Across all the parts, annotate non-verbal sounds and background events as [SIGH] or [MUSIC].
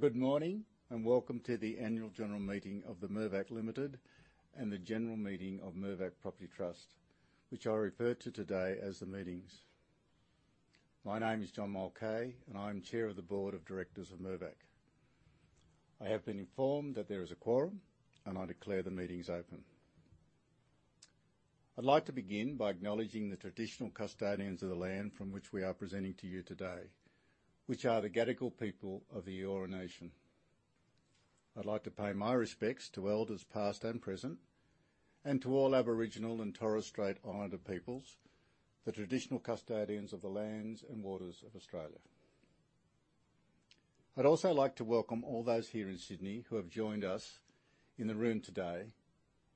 Good morning. Welcome to the Annual General Meeting of the Mirvac Limited and the General Meeting of Mirvac Property Trust, which are referred to today as the meetings. My name is John Mulcahy, and I'm Chair of the Board of Directors of Mirvac. I have been informed that there is a quorum, and I declare the meetings open. I'd like to begin by acknowledging the traditional custodians of the land from which we are presenting to you today, which are the Gadigal people of the Eora Nation. I'd like to pay my respects to elders past and present, and to all Aboriginal and Torres Strait Islander peoples, the traditional custodians of the lands and waters of Australia. I'd also like to welcome all those here in Sydney who have joined us in the room today,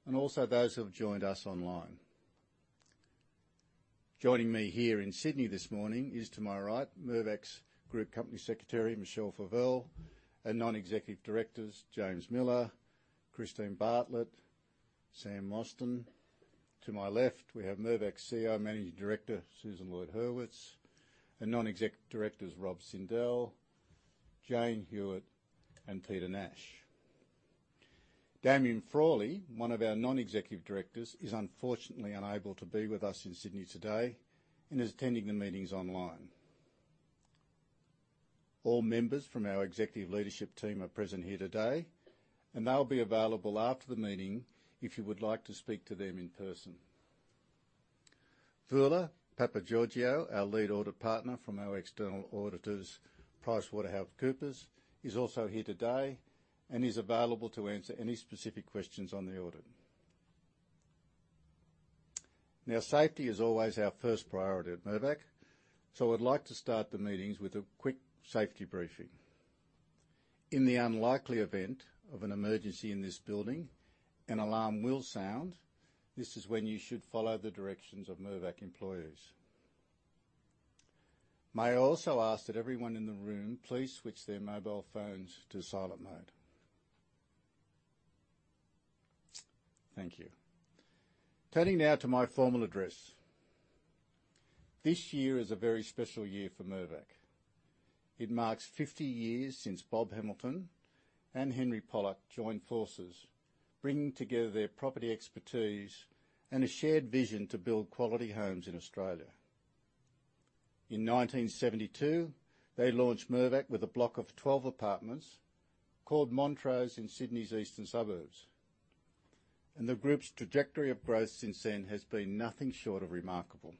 and also those who have joined us online. Joining me here in Sydney this morning is, to my right, Mirvac's Group Company Secretary, Michelle Favelle, and Non-Executive Directors, James Millar, Christine Bartlett, Samantha Mostyn. To my left, we have Mirvac's Chief Executive Officer, Managing Director, Susan Lloyd-Hurwitz, and Non-Exec Directors, Rob Sindel, Jane Hewitt, and Peter Nash. Damien Frawley, one of our Non-Executive Directors, is unfortunately unable to be with us in Sydney today and is attending the meetings online. All members from our Executive Leadership Team are present here today, and they'll be available after the meeting if you would like to speak to them in person. Voula Papageorgiou, our Lead Audit Partner from our external auditors, PricewaterhouseCoopers, is also here today and is available to answer any specific questions on the audit. Now, safety is always our first priority at Mirvac, so I'd like to start the meetings with a quick safety briefing. In the unlikely event of an emergency in this building, an alarm will sound. This is when you should follow the directions of Mirvac employees. May I also ask that everyone in the room please switch their mobile phones to silent mode. Thank you. Turning now to my formal address. This year is a very special year for Mirvac. It marks 50 years since Bob Hamilton and Henry Pollack joined forces, bringing together their property expertise and a shared vision to build quality homes in Australia. In 1972, they launched Mirvac with a block of 12 apartments called Montrose in Sydney's eastern suburbs. The group's trajectory of growth since then has been nothing short of remarkable.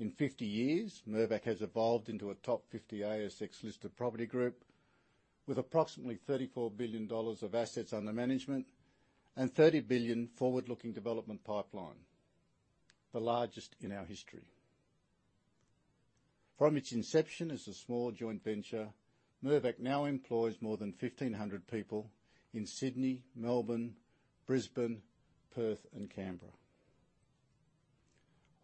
In 50 years, Mirvac has evolved into a top 50 ASX-listed property group with approximately 34 billion dollars of assets under management and 30 billion forward-looking development pipeline, the largest in our history. From its inception as a small joint venture, Mirvac now employs more than 1,500 people in Sydney, Melbourne, Brisbane, Perth, and Canberra.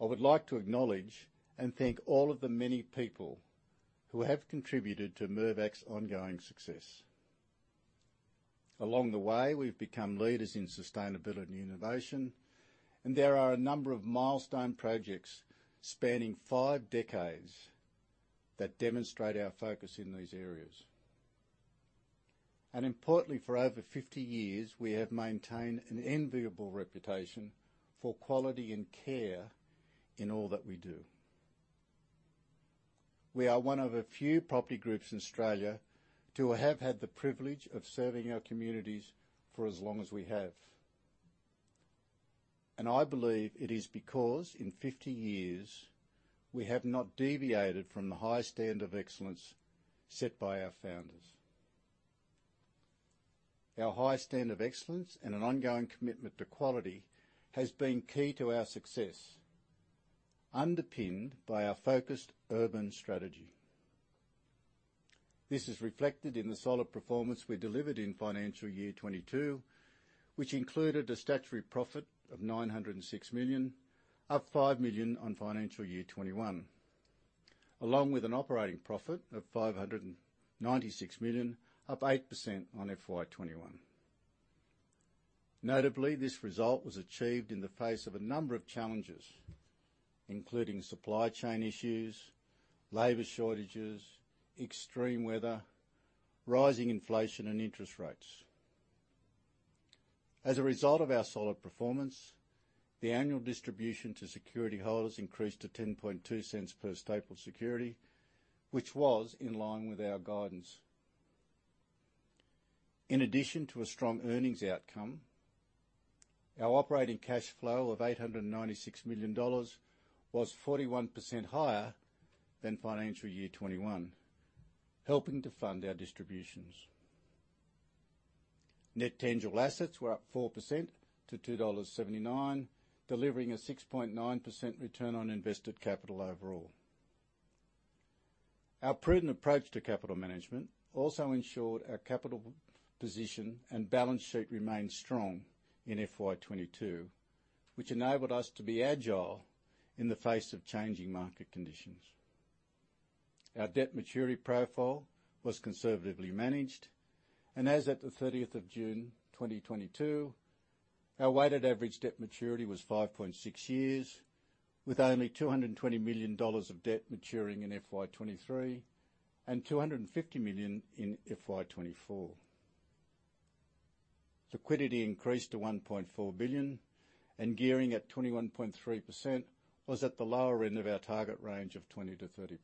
I would like to acknowledge and thank all of the many people who have contributed to Mirvac's ongoing success. Along the way, we've become leaders in sustainability and innovation, and there are a number of milestone projects spanning five decades that demonstrate our focus in these areas. Importantly, for over 50 years, we have maintained an enviable reputation for quality and care in all that we do. We are one of a few property groups in Australia to have had the privilege of serving our communities for as long as we have. I believe it is because, in 50 years, we have not deviated from the high standard of excellence set by our founders. Our high standard of excellence and an ongoing commitment to quality has been key to our success, underpinned by our focused urban strategy. This is reflected in the solid performance we delivered in financial year 2022, which included a statutory profit of 906 million, up 5 million on financial year 2021, along with an operating profit of 596 million, up 8% on FY 2021. Notably, this result was achieved in the face of a number of challenges, including supply chain issues, labor shortages, extreme weather, rising inflation, and interest rates. As a result of our solid performance, the annual distribution to security holders increased to 0.102 per stapled security, which was in line with our guidance. In addition to a strong earnings outcome, our operating cash flow of 896 million dollars was 41% higher than financial year 2021, helping to fund our distributions. Net tangible assets were up 4% to 2.79 dollars, delivering a 6.9% return on invested capital overall. Our prudent approach to capital management also ensured our capital position and balance sheet remained strong in FY 2022, which enabled us to be agile in the face of changing market conditions. Our debt maturity profile was conservatively managed, and as at the 30th of June, 2022, our weighted average debt maturity was 5.6 years, with only 220 million dollars of debt maturing in FY 2023 and 250 million in FY 2024. Liquidity increased to 1.4 billion, and gearing at 21.3% was at the lower end of our target range of 20%-30%.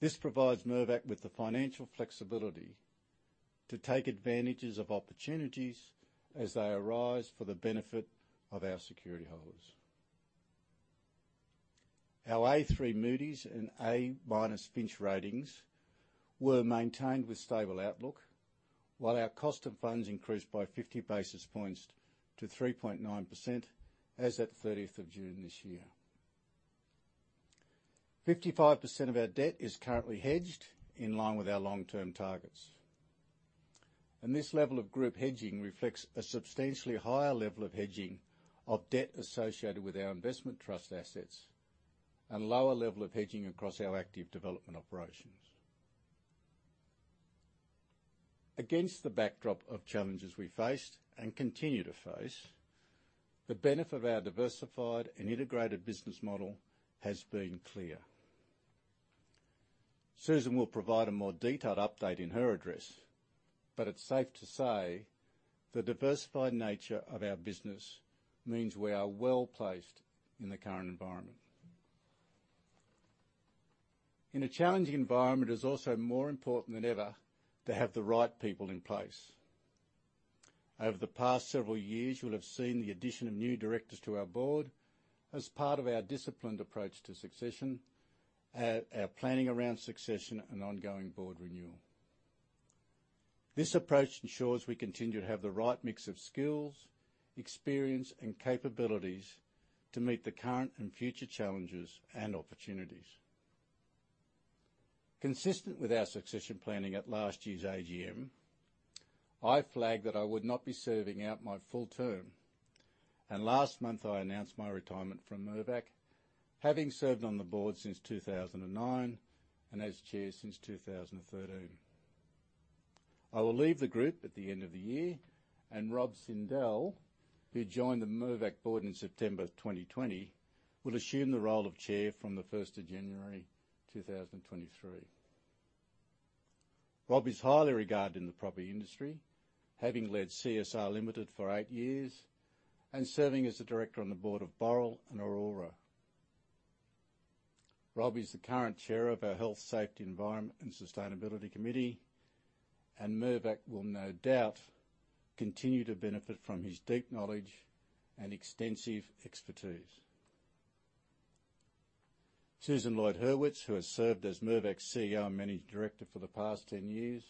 This provides Mirvac with the financial flexibility to take advantage of opportunities as they arise for the benefit of our security holders. Our A3 Moody's and A- Fitch ratings were maintained with stable outlook, while our cost of funds increased by 50 basis points to 3.9% as at the 30th of June this year. 55% of our debt is currently hedged in line with our long-term targets. This level of group hedging reflects a substantially higher level of hedging of debt associated with our investment trust assets and lower level of hedging across our active development operations. Against the backdrop of challenges we faced and continue to face, the benefit of our diversified and integrated business model has been clear. Susan will provide a more detailed update in her address, but it's safe to say the diversified nature of our business means we are well-placed in the current environment. In a challenging environment, it's also more important than ever to have the right people in place. Over the past several years, you'll have seen the addition of new directors to our board as part of our disciplined approach to succession, our planning around succession and ongoing board renewal. This approach ensures we continue to have the right mix of skills, experience, and capabilities to meet the current and future challenges and opportunities. Consistent with our succession planning at last year's AGM, I flagged that I would not be serving out my full term. Last month, I announced my retirement from Mirvac, having served on the board since 2009 and as Chair since 2013. I will leave the group at the end of the year. Rob Sindel, who joined the Mirvac board in September 2020, will assume the role of Chair from the first of January 2023. Rob is highly regarded in the property industry, having led CSR Limited for eight years and serving as a director on the board of Boral and Orora. Rob is the current Chair of our Health, Safety, Environment & Sustainability Committee. Mirvac will no doubt continue to benefit from his deep knowledge and extensive expertise. Susan Lloyd-Hurwitz, who has served as Mirvac's Chief Executive Officer and Managing Director for the past 10 years,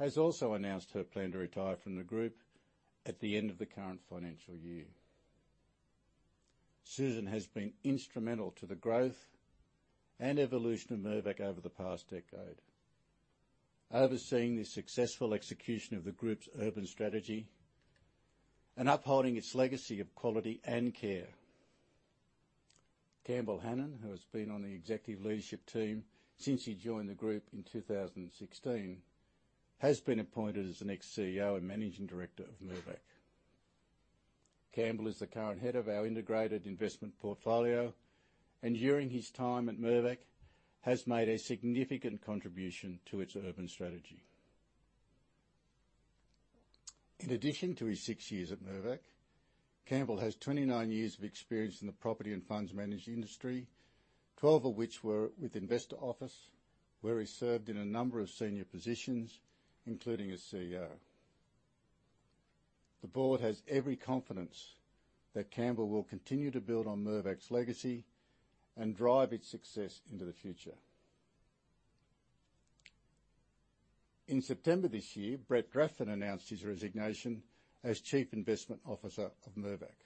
has also announced her plan to retire from the Group at the end of the current financial year. Susan has been instrumental to the growth and evolution of Mirvac over the past decade, overseeing the successful execution of the Group's urban strategy and upholding its legacy of quality and care. Campbell Hanan, who has been on the Executive Leadership Team since he joined the Group in 2016, has been appointed as the next Chief Executive Officer and Managing Director of Mirvac. Campbell is the current Head of our integrated investment portfolio, and during his time at Mirvac, has made a significant contribution to its urban strategy. In addition to his six years at Mirvac, Campbell has 29 years of experience in the property and funds management industry, 12 of which were with Investa Office, where he served in a number of senior positions, including as Chief Executive Officer. The board has every confidence that Campbell will continue to build on Mirvac's legacy and drive its success into the future. In September this year, Brett Draffen announced his resignation as Chief Investment Officer of Mirvac.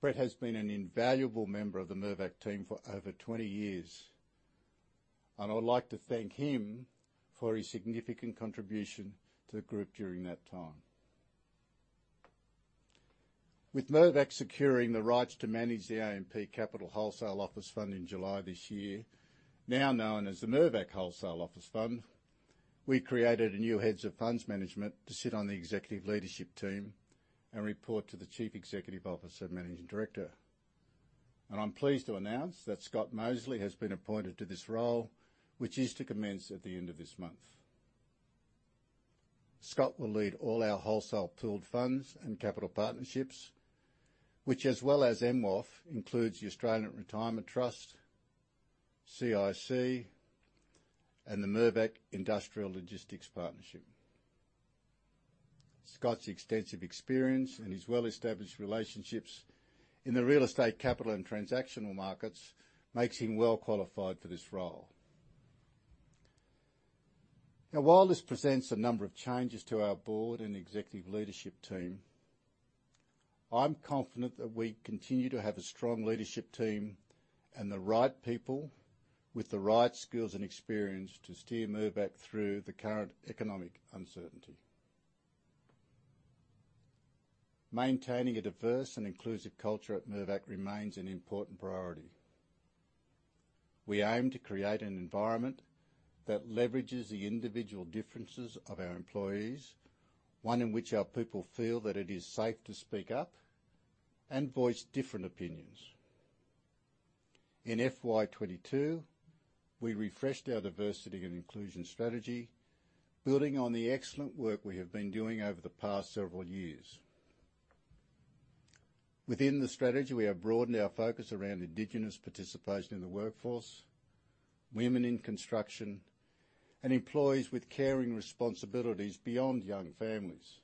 Brett has been an invaluable member of the Mirvac team for over 20 years, and I would like to thank him for his significant contribution to the group during that time. With Mirvac securing the rights to manage the AMP Capital Wholesale Office Fund in July this year, now known as the Mirvac Wholesale Office Fund, we created a new Head of Funds Management to sit on the executive leadership team and report to the Chief Executive Officer and Managing Director. I'm pleased to announce that Scott Mosely has been appointed to this role, which is to commence at the end of this month. Scott will lead all our wholesale pooled funds and capital partnerships, which, as well as MWOF, includes the Australian Retirement Trust, CIC, and the Mirvac Industrial Logistics Partnership. Scott's extensive experience and his well-established relationships in the real estate capital and transactional markets makes him well qualified for this role. Now, while this presents a number of changes to our board and executive leadership team, I'm confident that we continue to have a strong leadership team and the right people with the right skills and experience to steer Mirvac through the current economic uncertainty. Maintaining a diverse and inclusive culture at Mirvac remains an important priority. We aim to create an environment that leverages the individual differences of our employees, one in which our people feel that it is safe to speak up and voice different opinions. In FY 2022, we refreshed our diversity and inclusion strategy, building on the excellent work we have been doing over the past several years. Within the strategy, we have broadened our focus around Indigenous participation in the workforce, women in construction, and employees with caring responsibilities beyond young families,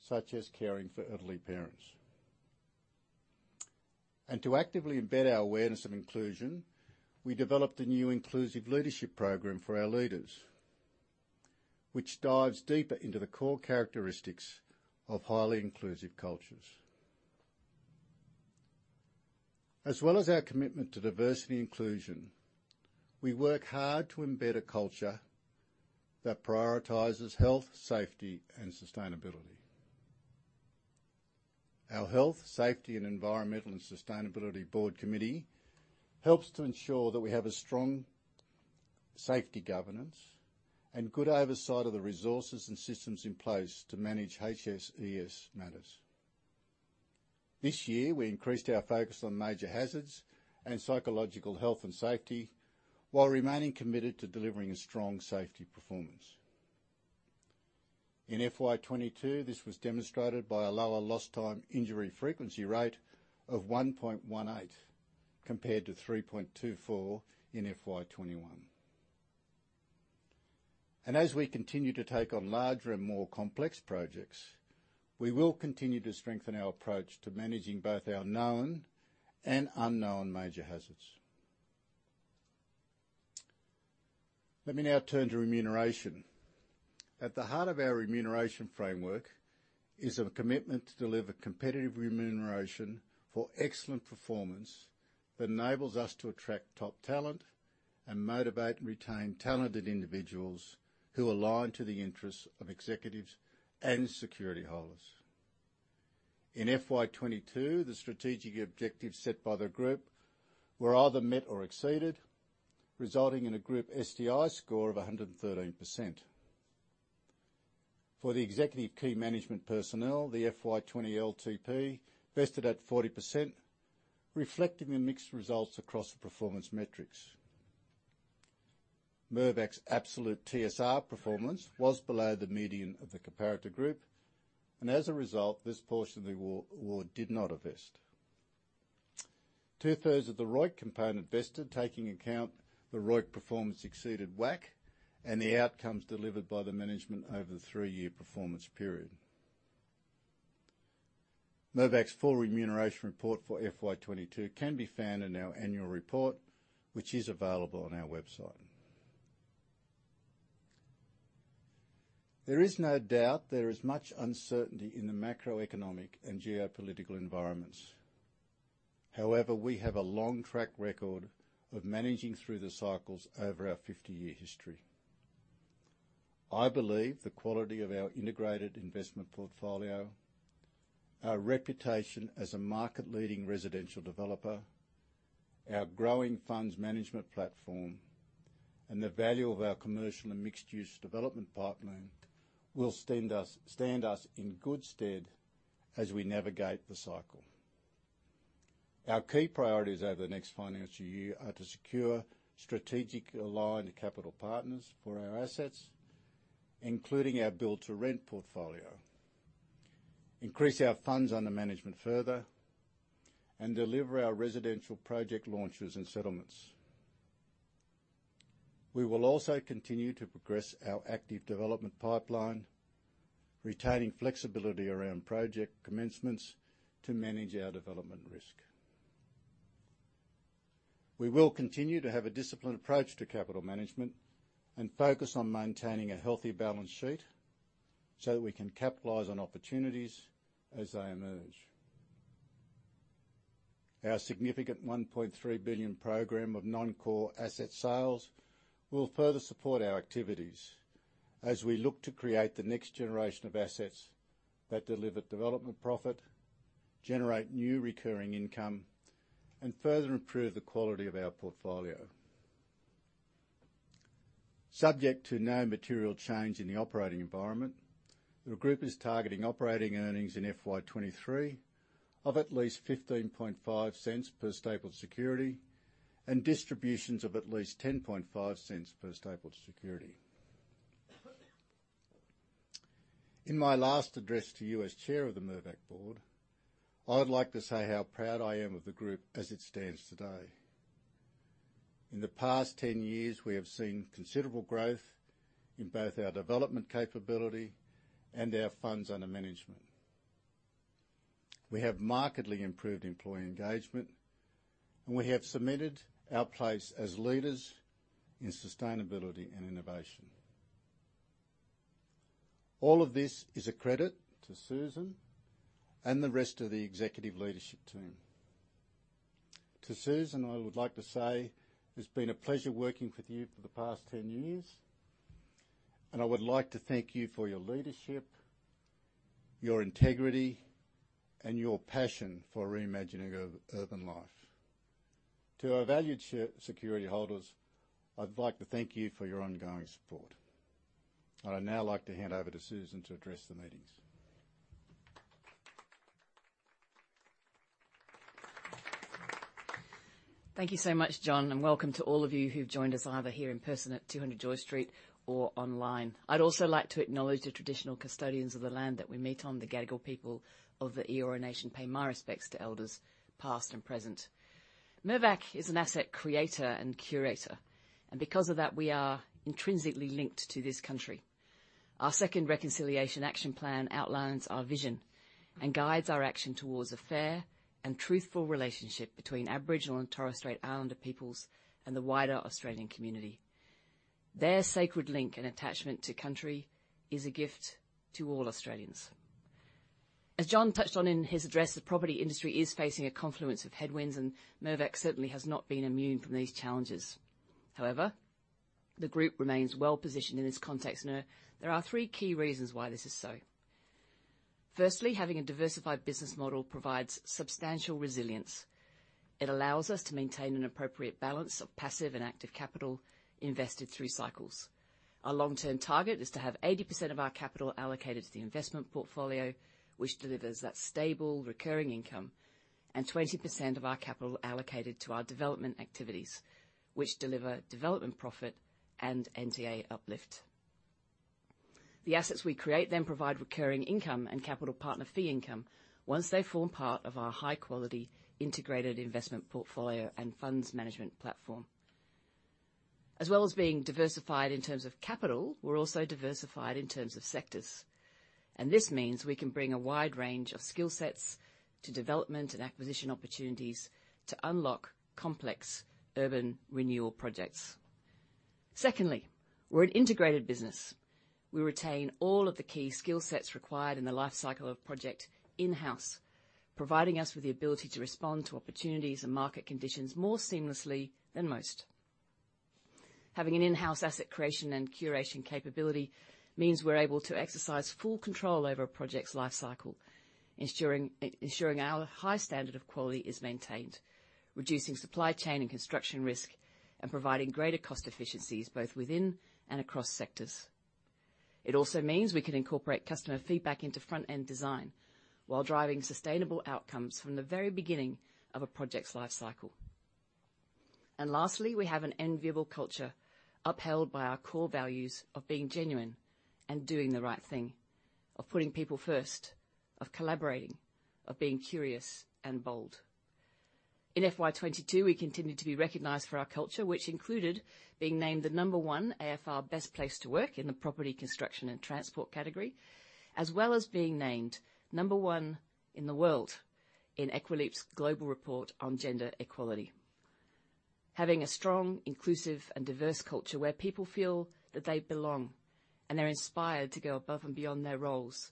such as caring for elderly parents. To actively embed our awareness of inclusion, we developed a new inclusive leadership program for our leaders, which dives deeper into the core characteristics of highly inclusive cultures. As well as our commitment to diversity inclusion, we work hard to embed a culture that prioritizes health, safety, and sustainability. Our Health, Safety, and Environmental and Sustainability Board Committee helps to ensure that we have a strong safety governance and good oversight of the resources and systems in place to manage HSES matters. This year, we increased our focus on major hazards and psychological health and safety while remaining committed to delivering a strong safety performance. In FY 2022, this was demonstrated by a lower lost time injury frequency rate of 1.18 compared to 3.24 in FY 2021. As we continue to take on larger and more complex projects, we will continue to strengthen our approach to managing both our known and unknown major hazards. Let me now turn to remuneration. At the heart of our remuneration framework is a commitment to deliver competitive remuneration for excellent performance that enables us to attract top talent and motivate and retain talented individuals who align to the interests of executives and security holders. In FY 2022, the strategic objectives set by the group were either met or exceeded, resulting in a group STI score of 113%. For the executive key management personnel, the FY 2020 LTP vested at 40%, reflecting the mixed results across the performance metrics. Mirvac's absolute TSR performance was below the median of the comparator group, and as a result, this portion of the award did not vest. Two-thirds of the ROIC component vested, taking account the ROIC performance exceeded WACC and the outcomes delivered by the management over the three-year performance period. Mirvac's full remuneration report for FY 2022 can be found in our annual report, which is available on our website. There is no doubt there is much uncertainty in the macroeconomic and geopolitical environments. However, we have a long track record of managing through the cycles over our 50-year history. I believe the quality of our integrated investment portfolio, our reputation as a market-leading residential developer, our growing funds management platform, and the value of our commercial and mixed-use development pipeline will stand us in good stead as we navigate the cycle. Our key priorities over the next financial year are to secure strategically aligned capital partners for our assets, including our build-to-rent portfolio, increase our funds under management further, and deliver our residential project launches and settlements. We will also continue to progress our active development pipeline, retaining flexibility around project commencements to manage our development risk. We will continue to have a disciplined approach to capital management and focus on maintaining a healthy balance sheet so that we can capitalize on opportunities as they emerge. Our significant 1.3 billion program of non-core asset sales will further support our activities as we look to create the next generation of assets that deliver development profit, generate new recurring income, and further improve the quality of our portfolio. Subject to no material change in the operating environment, the Group is targeting operating earnings in FY 2023 of at least 0.155 per stapled security and distributions of at least 0.105 per stapled security. In my last address to you as Chair of the Mirvac Board, I would like to say how proud I am of the Group as it stands today. In the past 10 years, we have seen considerable growth in both our development capability and our funds under management. We have markedly improved employee engagement, and we have cemented our place as leaders in sustainability and innovation. All of this is a credit to Susan and the rest of the executive leadership team. To Susan, I would like to say it's been a pleasure working with you for the past 10 years, and I would like to thank you for your leadership, your integrity, and your passion for reimagining urban life. To our valued security holders, I'd like to thank you for your ongoing support. I'd now like to hand over to Susan to address the meetings. Thank you so much, John, and welcome to all of you who've joined us either here in person at 200 George Street or online. I'd also like to acknowledge the traditional custodians of the land that we meet on, the Gadigal people of the Eora Nation. Pay my respects to elders past and present. Mirvac is an asset creator and curator, and because of that, we are intrinsically linked to this country. Our second Reconciliation Action Plan outlines our vision and guides our action towards a fair and truthful relationship between Aboriginal and Torres Strait Islander peoples and the wider Australian community. Their sacred link and attachment to country is a gift to all Australians. As John touched on in his address, the property industry is facing a confluence of headwinds, and Mirvac certainly has not been immune from these challenges. However, the group remains well-positioned in this context, and there are three key reasons why this is so. Firstly, having a diversified business model provides substantial resilience. It allows us to maintain an appropriate balance of passive and active capital invested through cycles. Our long-term target is to have 80% of our capital allocated to the investment portfolio, which delivers that stable recurring income, and 20% of our capital allocated to our development activities, which deliver development profit and NTA uplift. The assets we create then provide recurring income and capital partner fee income once they form part of our high-quality integrated investment portfolio and funds management platform. As well as being diversified in terms of capital, we're also diversified in terms of sectors, and this means we can bring a wide range of skill sets to development and acquisition opportunities to unlock complex urban renewal projects. Secondly, we're an integrated business. We retain all of the key skill sets required in the life cycle of a project in-house, providing us with the ability to respond to opportunities and market conditions more seamlessly than most. Having an in-house asset creation and curation capability means we're able to exercise full control over a project's life cycle, ensuring our high standard of quality is maintained, reducing supply chain and construction risk, and providing greater cost efficiencies both within and across sectors. It also means we can incorporate customer feedback into front-end design while driving sustainable outcomes from the very beginning of a project's life cycle. Lastly, we have an enviable culture upheld by our core values of being genuine and doing the right thing, of putting people first, of collaborating, of being curious and bold. In FY 2022 we continued to be recognized for our culture, which included being named the number one AFR Best Place to Work in the property, construction, and transport category, as well as being named number one in the world in Equileap's global report on gender equality. Having a strong, inclusive, and diverse culture where people feel that they belong and they're inspired to go above and beyond their roles,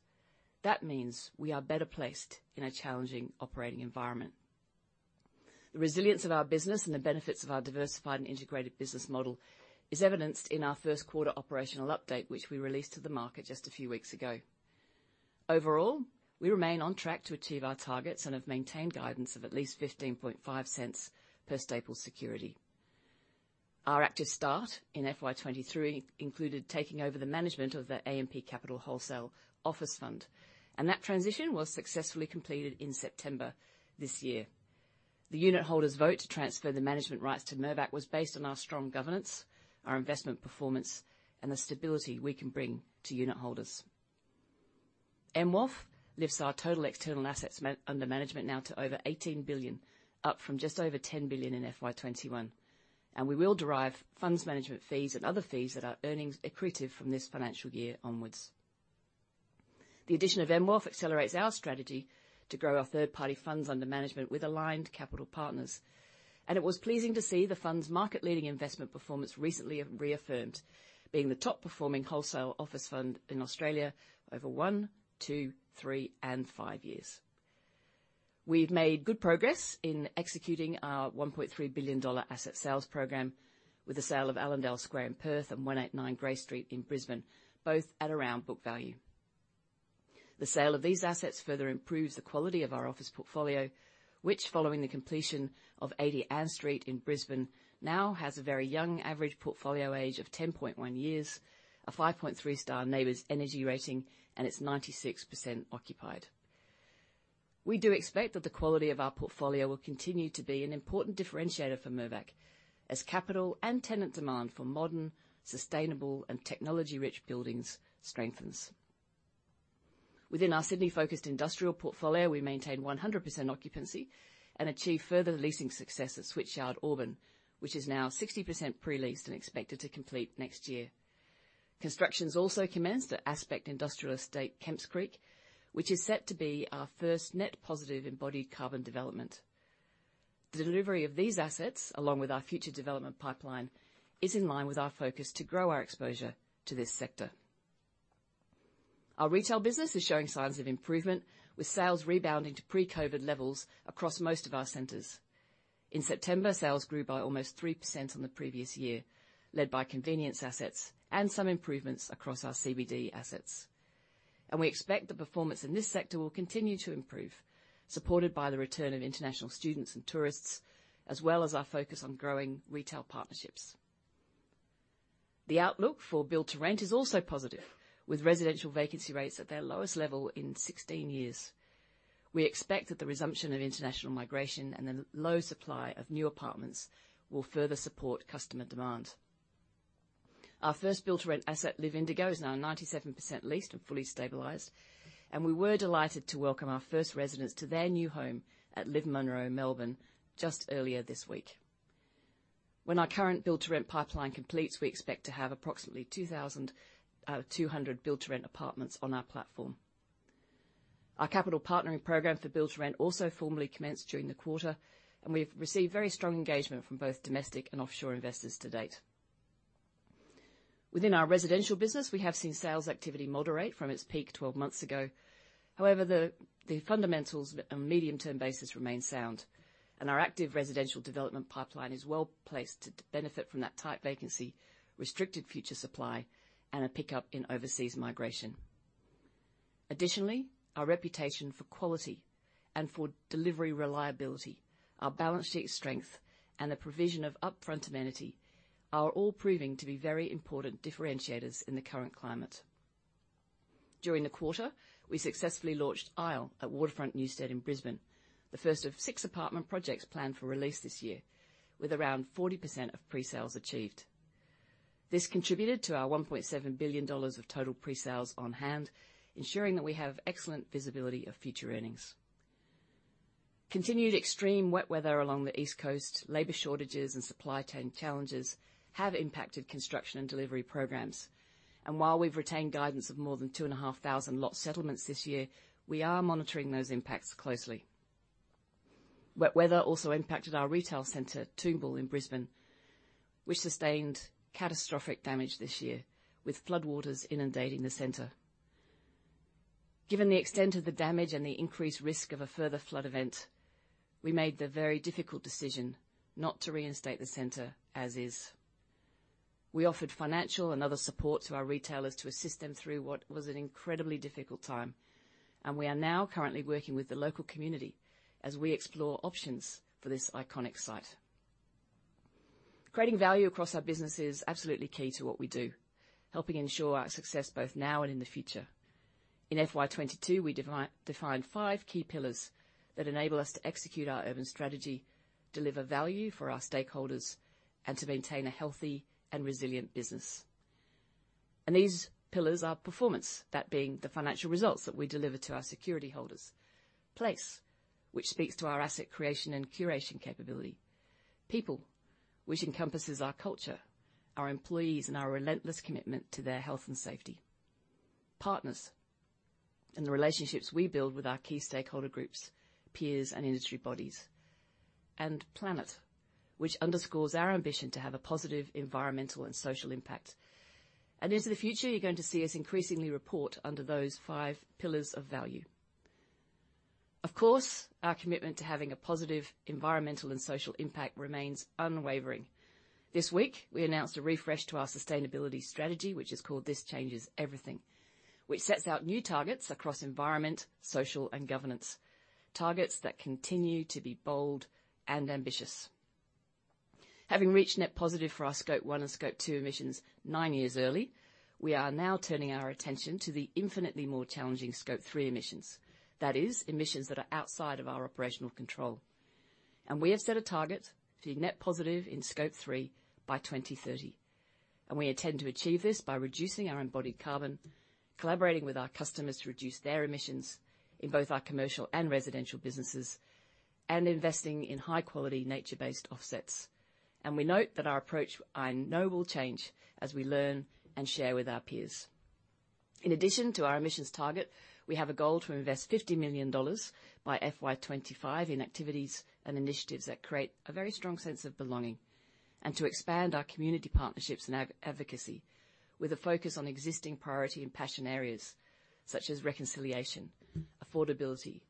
that means we are better placed in a challenging operating environment. The resilience of our business and the benefits of our diversified and integrated business model is evidenced in our first quarter operational update, which we released to the market just a few weeks ago. Overall, we remain on track to achieve our targets and have maintained guidance of at least 0.155 per staple security. Our active start in FY 2023 included taking over the management of the AMP Capital Wholesale Office Fund, and that transition was successfully completed in September this year. The unit holders' vote to transfer the management rights to Mirvac was based on our strong governance, our investment performance, and the stability we can bring to unit holders. MWOF lifts our total external assets under management now to over 18 billion, up from just over 10 billion in FY 2021. We will derive funds management fees and other fees that are earnings accretive from this financial year onwards. The addition of MWOF accelerates our strategy to grow our third-party funds under management with aligned capital partners. It was pleasing to see the fund's market-leading investment performance recently reaffirmed, being the top performing wholesale office fund in Australia over one, two, three, and five years. We've made good progress in executing our 1.3 billion dollar asset sales program with the sale of Allendale Square in Perth and 189 Grey Street in Brisbane, both at around book value. The sale of these assets further improves the quality of our office portfolio, which, following the completion of 80 Ann Street in Brisbane, now has a very young average portfolio age of 10.1 years, a 5.3 star NABERS energy rating, and it's 96% occupied. We do expect that the quality of our portfolio will continue to be an important differentiator for Mirvac as capital and tenant demand for modern, sustainable, and technology-rich buildings strengthens. Within our Sydney-focused industrial portfolio, we maintain 100% occupancy and achieve further leasing success at Switchyard Auburn, which is now 60% pre-leased and expected to complete next year. Construction's also commenced at Aspect Industrial Estate Kemps Creek, which is set to be our first net positive embodied carbon development. The delivery of these assets, along with our future development pipeline, is in line with our focus to grow our exposure to this sector. Our retail business is showing signs of improvement, with sales rebounding to pre-COVID levels across most of our centers. In September, sales grew by almost 3% on the previous year, led by convenience assets and some improvements across our CBD assets. We expect the performance in this sector will continue to improve, supported by the return of international students and tourists, as well as our focus on growing retail partnerships. The outlook for build-to-rent is also positive, with residential vacancy rates at their lowest level in 16 years. We expect that the resumption of international migration and the low supply of new apartments will further support customer demand. Our first build-to-rent asset, LIV Indigo, is now 97% leased and fully stabilized, and we were delighted to welcome our first residents to their new home at LIV Munro, Melbourne, just earlier this week. When our current build-to-rent pipeline completes, we expect to have approximately 2,200 build-to-rent apartments on our platform. Our capital partnering program for build-to-rent also formally commenced during the quarter, and we've received very strong engagement from both domestic and offshore investors to date. Within our residential business, we have seen sales activity moderate from its peak 12 months ago. However, the fundamentals on a medium-term basis remain sound, and our active residential development pipeline is well-placed to benefit from that tight vacancy, restricted future supply, and a pickup in overseas migration. Additionally, our reputation for quality and for delivery reliability, our balance sheet strength, and the provision of upfront amenity are all proving to be very important differentiators in the current climate. During the quarter, we successfully launched Isle at Waterfront Newstead in Brisbane, the first of six apartment projects planned for release this year, with around 40% of presales achieved. This contributed to our 1.7 billion dollars of total presales on-hand, ensuring that we have excellent visibility of future earnings. Continued extreme wet weather along the East Coast, labor shortages, and supply chain challenges have impacted construction and delivery programs. While we've retained guidance of more than 2,500 lot settlements this year, we are monitoring those impacts closely. Wet weather also impacted our retail center, Toombul, in Brisbane, which sustained catastrophic damage this year, with floodwaters inundating the center. Given the extent of the damage and the increased risk of a further flood event, we made the very difficult decision not to reinstate the center as is. We offered financial and other support to our retailers to assist them through what was an incredibly difficult time, and we are now currently working with the local community as we explore options for this iconic site. Creating value across our business is absolutely key to what we do, helping ensure our success both now and in the future. In FY 2022, we defined five key pillars that enable us to execute our urban strategy, deliver value for our stakeholders, and to maintain a healthy and resilient business. These pillars are Performance, that being the financial results that we deliver to our security holders. Place, which speaks to our asset creation and curation capability. People, which encompasses our culture, our employees, and our relentless commitment to their health and safety. Partners, and the relationships we build with our key stakeholder groups, peers, and industry bodies. Planet, which underscores our ambition to have a positive environmental and social impact. Into the future, you're going to see us increasingly report under those five pillars of value. Of course, our commitment to having a positive environmental and social impact remains unwavering. This week, we announced a refresh to our sustainability strategy, which is called This Changes Everything, which sets out new targets across environment, social, and governance, targets that continue to be bold and ambitious. Having reached net positive for our Scope 1 and Scope 2 emissions nine years early, we are now turning our attention to the infinitely more challenging Scope 3 emissions. That is, emissions that are outside of our operational control. We have set a target to be net positive in Scope 3 by 2030, and we intend to achieve this by reducing our embodied carbon, collaborating with our customers to reduce their emissions in both our commercial and residential businesses, and investing in high-quality nature-based offsets. We note that our approach, I know, will change as we learn and share with our peers. In addition to our emissions target, we have a goal to invest 50 million dollars by FY 2025 in activities and initiatives that create a very strong sense of belonging and to expand our community partnerships and advocacy with a focus on existing priority and passion areas such as reconciliation, affordability,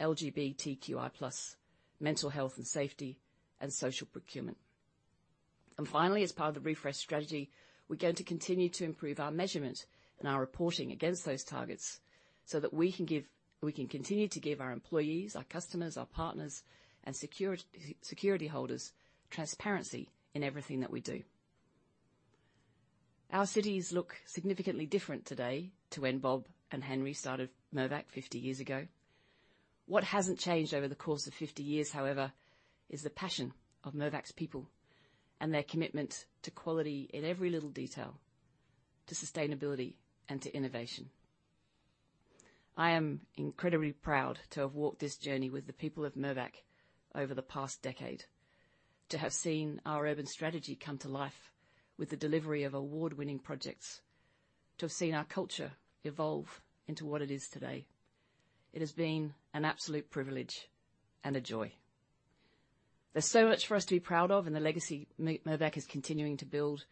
LGBTQI+, mental health and safety, and social procurement. Finally, as part of the refresh strategy, we're going to continue to improve our measurement and our reporting against those targets so that we can continue to give our employees, our customers, our partners, and security holders transparency in everything that we do. Our cities look significantly different today to when Bob and Henry started Mirvac 50 years ago. What hasn't changed over the course of 50 years, however, is the passion of Mirvac's people and their commitment to quality in every little detail, to sustainability, and to innovation. I am incredibly proud to have walked this journey with the people of Mirvac over the past decade, to have seen our urban strategy come to life with the delivery of award-winning projects, to have seen our culture evolve into what it is today. It has been an absolute privilege and a joy. There's so much for us to be proud of in the legacy Mirvac is continuing to build,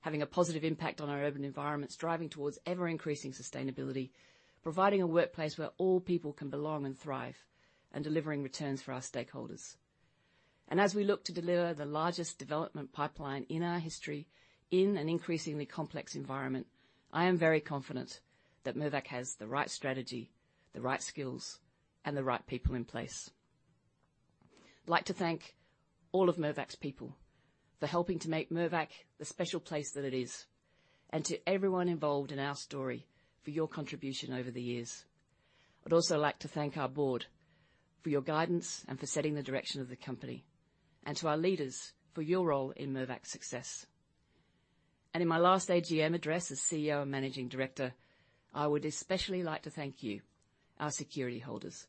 having a positive impact on our urban environments, driving towards ever-increasing sustainability, providing a workplace where all people can belong and thrive, and delivering returns for our stakeholders. As we look to deliver the largest development pipeline in our history in an increasingly complex environment, I am very confident that Mirvac has the right strategy, the right skills, and the right people in place. I'd like to thank all of Mirvac's people for helping to make Mirvac the special place that it is, and to everyone involved in our story for your contribution over the years. I'd also like to thank our board for your guidance and for setting the direction of the company, and to our leaders for your role in Mirvac's success. In my last AGM address as Chief Executive Officer and Managing Director, I would especially like to thank you, our security holders,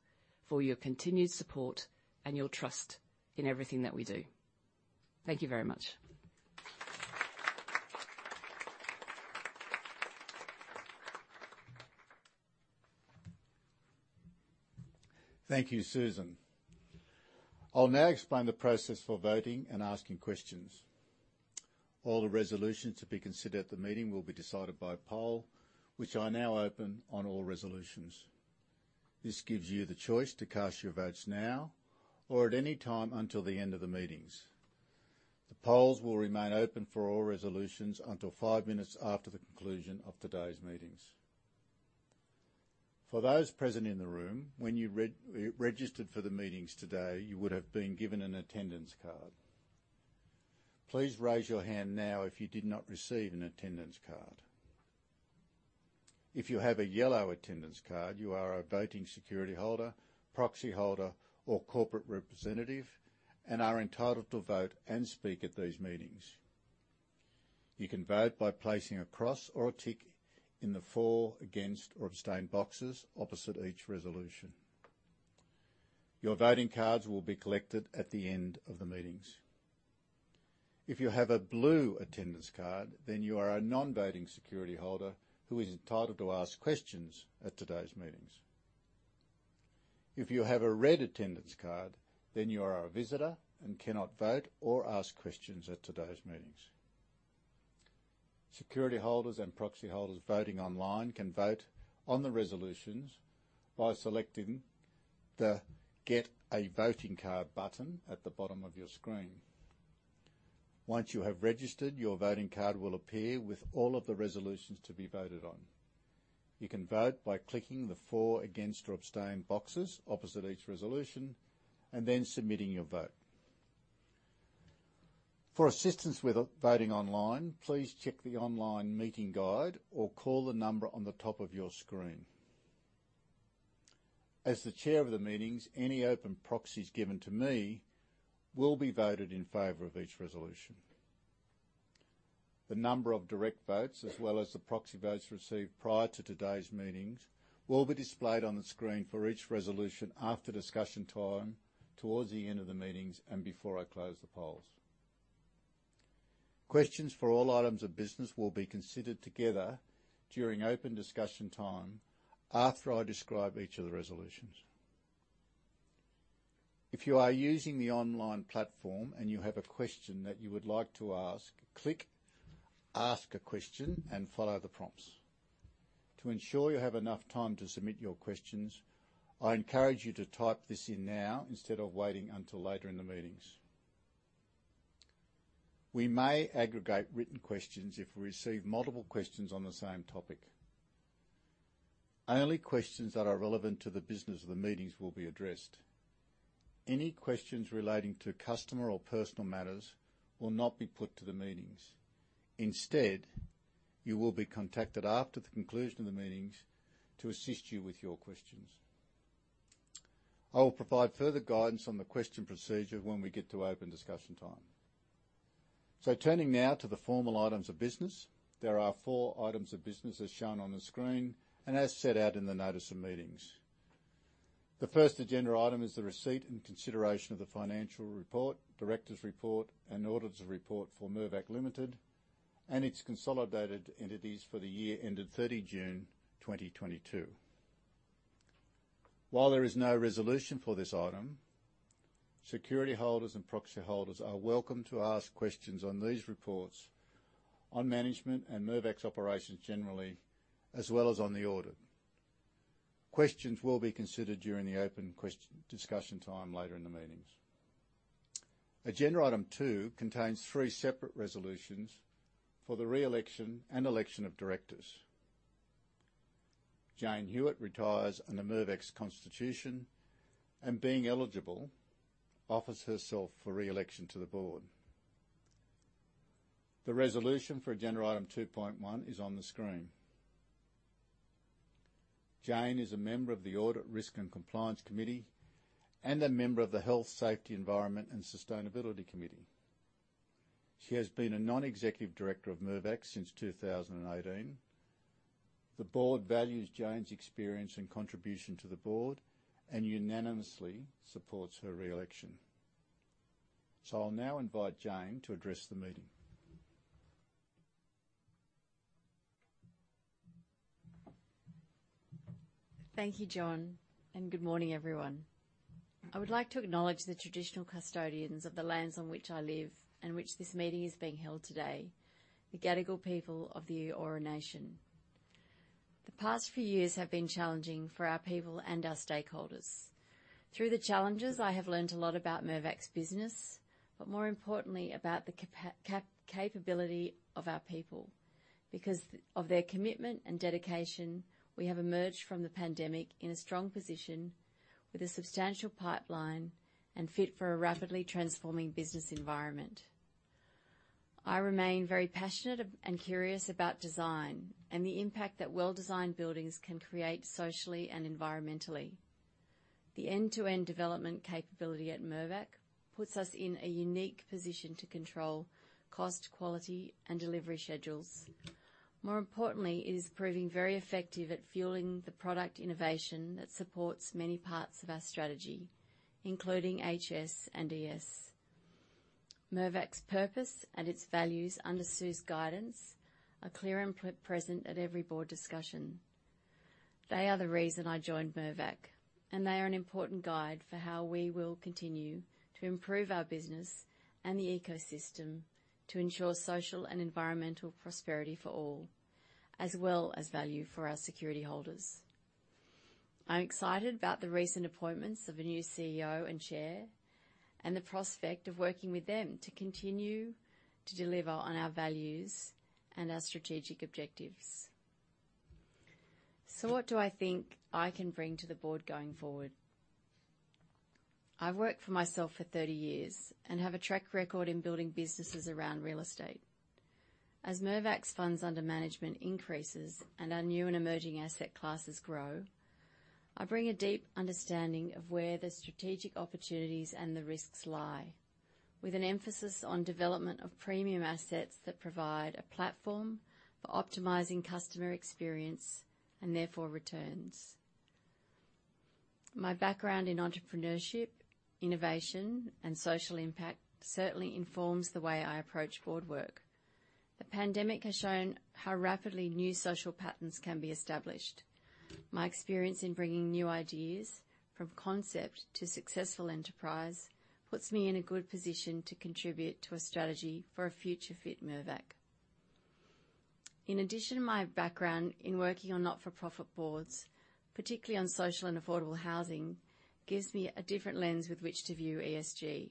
for your continued support and your trust in everything that we do. Thank you very much. Thank you, Susan. I'll now explain the process for voting and asking questions. All the resolutions to be considered at the meeting will be decided by poll, which I now open on all resolutions. This gives you the choice to cast your votes now or at any time until the end of the meetings. The polls will remain open for all resolutions until five minutes after the conclusion of today's meetings. For those present in the room, when you reregistered for the meetings today, you would have been given an attendance card. Please raise your hand now if you did not receive an attendance card. If you have a yellow attendance card, you are a voting security holder, proxy holder, or corporate representative and are entitled to vote and speak at these meetings. You can vote by placing a cross or a tick in the For, Against, or Abstain boxes opposite each resolution. Your voting cards will be collected at the end of the meetings. If you have a blue attendance card, then you are a non-voting security holder who is entitled to ask questions at today's meetings. If you have a red attendance card, then you are a visitor and cannot vote or ask questions at today's meetings. Security holders and proxy holders voting online can vote on the resolutions by selecting the Get a Voting Card button at the bottom of your screen. Once you have registered, your voting card will appear with all of the resolutions to be voted on. You can vote by clicking the For, Against, or Abstain boxes opposite each resolution and then submitting your vote. For assistance with voting online, please check the online meeting guide or call the number on the top of your screen. As the Chair of the meetings, any open proxies given to me will be voted in favor of each resolution. The number of direct votes, as well as the proxy votes received prior to today's meetings, will be displayed on the screen for each resolution after discussion time toward the end of the meetings and before I close the polls. Questions for all items of business will be considered together during open discussion time after I describe each of the resolutions. If you are using the online platform and you have a question that you would like to ask, click Ask a Question and follow the prompts. To ensure you have enough time to submit your questions, I encourage you to type this in now instead of waiting until later in the meetings. We may aggregate written questions if we receive multiple questions on the same topic. Only questions that are relevant to the business of the meetings will be addressed. Any questions relating to customer or personal matters will not be put to the meetings. Instead, you will be contacted after the conclusion of the meetings to assist you with your questions. I will provide further guidance on the question procedure when we get to open discussion time. Turning now to the formal items of business, there are four items of business as shown on the screen and as set out in the notice of meetings. The first agenda item is the receipt and consideration of the financial report, directors' report, and auditor's report for Mirvac Limited and its consolidated entities for the year ended 30 June 2022. While there is no resolution for this item, security holders and proxy holders are welcome to ask questions on these reports on management and Mirvac's operations generally, as well as on the audit. Questions will be considered during the open discussion time later in the meetings. Agenda item two contains three separate resolutions for the re-election and election of directors. Jane Hewitt retires under Mirvac's constitution and, being eligible, offers herself for re-election to the board. The resolution for agenda item 2.1 is on the screen. Jane is a member of the Audit, Risk and Compliance Committee and a member of the Health, Safety, Environment & Sustainability Committee. She has been a Non-Executive Director of Mirvac since 2018. The Board values Jane's experience and contribution to the Board and unanimously supports her re-election. I'll now invite Jane to address the meeting. Thank you, John, and good morning, everyone. I would like to acknowledge the traditional custodians of the lands on which I live and which this meeting is being held today, the Gadigal people of the Eora Nation. The past few years have been challenging for our people and our stakeholders. Through the challenges, I have learned a lot about Mirvac's business, but more importantly, about the capability of our people. Because of their commitment and dedication, we have emerged from the pandemic in a strong position with a substantial pipeline and fit for a rapidly transforming business environment. I remain very passionate and curious about design and the impact that well-designed buildings can create socially and environmentally. The end-to-end development capability at Mirvac puts us in a unique position to control cost, quality, and delivery schedules. More importantly, it is proving very effective at fueling the product innovation that supports many parts of our strategy, including HS&ES. Mirvac's purpose and its values under Sue's guidance are clear and present at every Board discussion. They are the reason I joined Mirvac, and they are an important guide for how we will continue to improve our business and the ecosystem to ensure social and environmental prosperity for all, as well as value for our security holders. I'm excited about the recent appointments of a new Chief Executive Officer and Chair, and the prospect of working with them to continue to deliver on our values and our strategic objectives. What do I think I can bring to the Board going forward? I've worked for myself for 30 years and have a track record in building businesses around real estate. As Mirvac's funds under management increases and our new and emerging asset classes grow, I bring a deep understanding of where the strategic opportunities and the risks lie, with an emphasis on development of premium assets that provide a platform for optimizing customer experience and therefore returns. My background in entrepreneurship, innovation, and social impact certainly informs the way I approach board work. The pandemic has shown how rapidly new social patterns can be established. My experience in bringing new ideas from concept to successful enterprise puts me in a good position to contribute to a strategy for a future fit Mirvac. In addition, my background in working on not-for-profit boards, particularly on social and affordable housing, gives me a different lens with which to view ESG.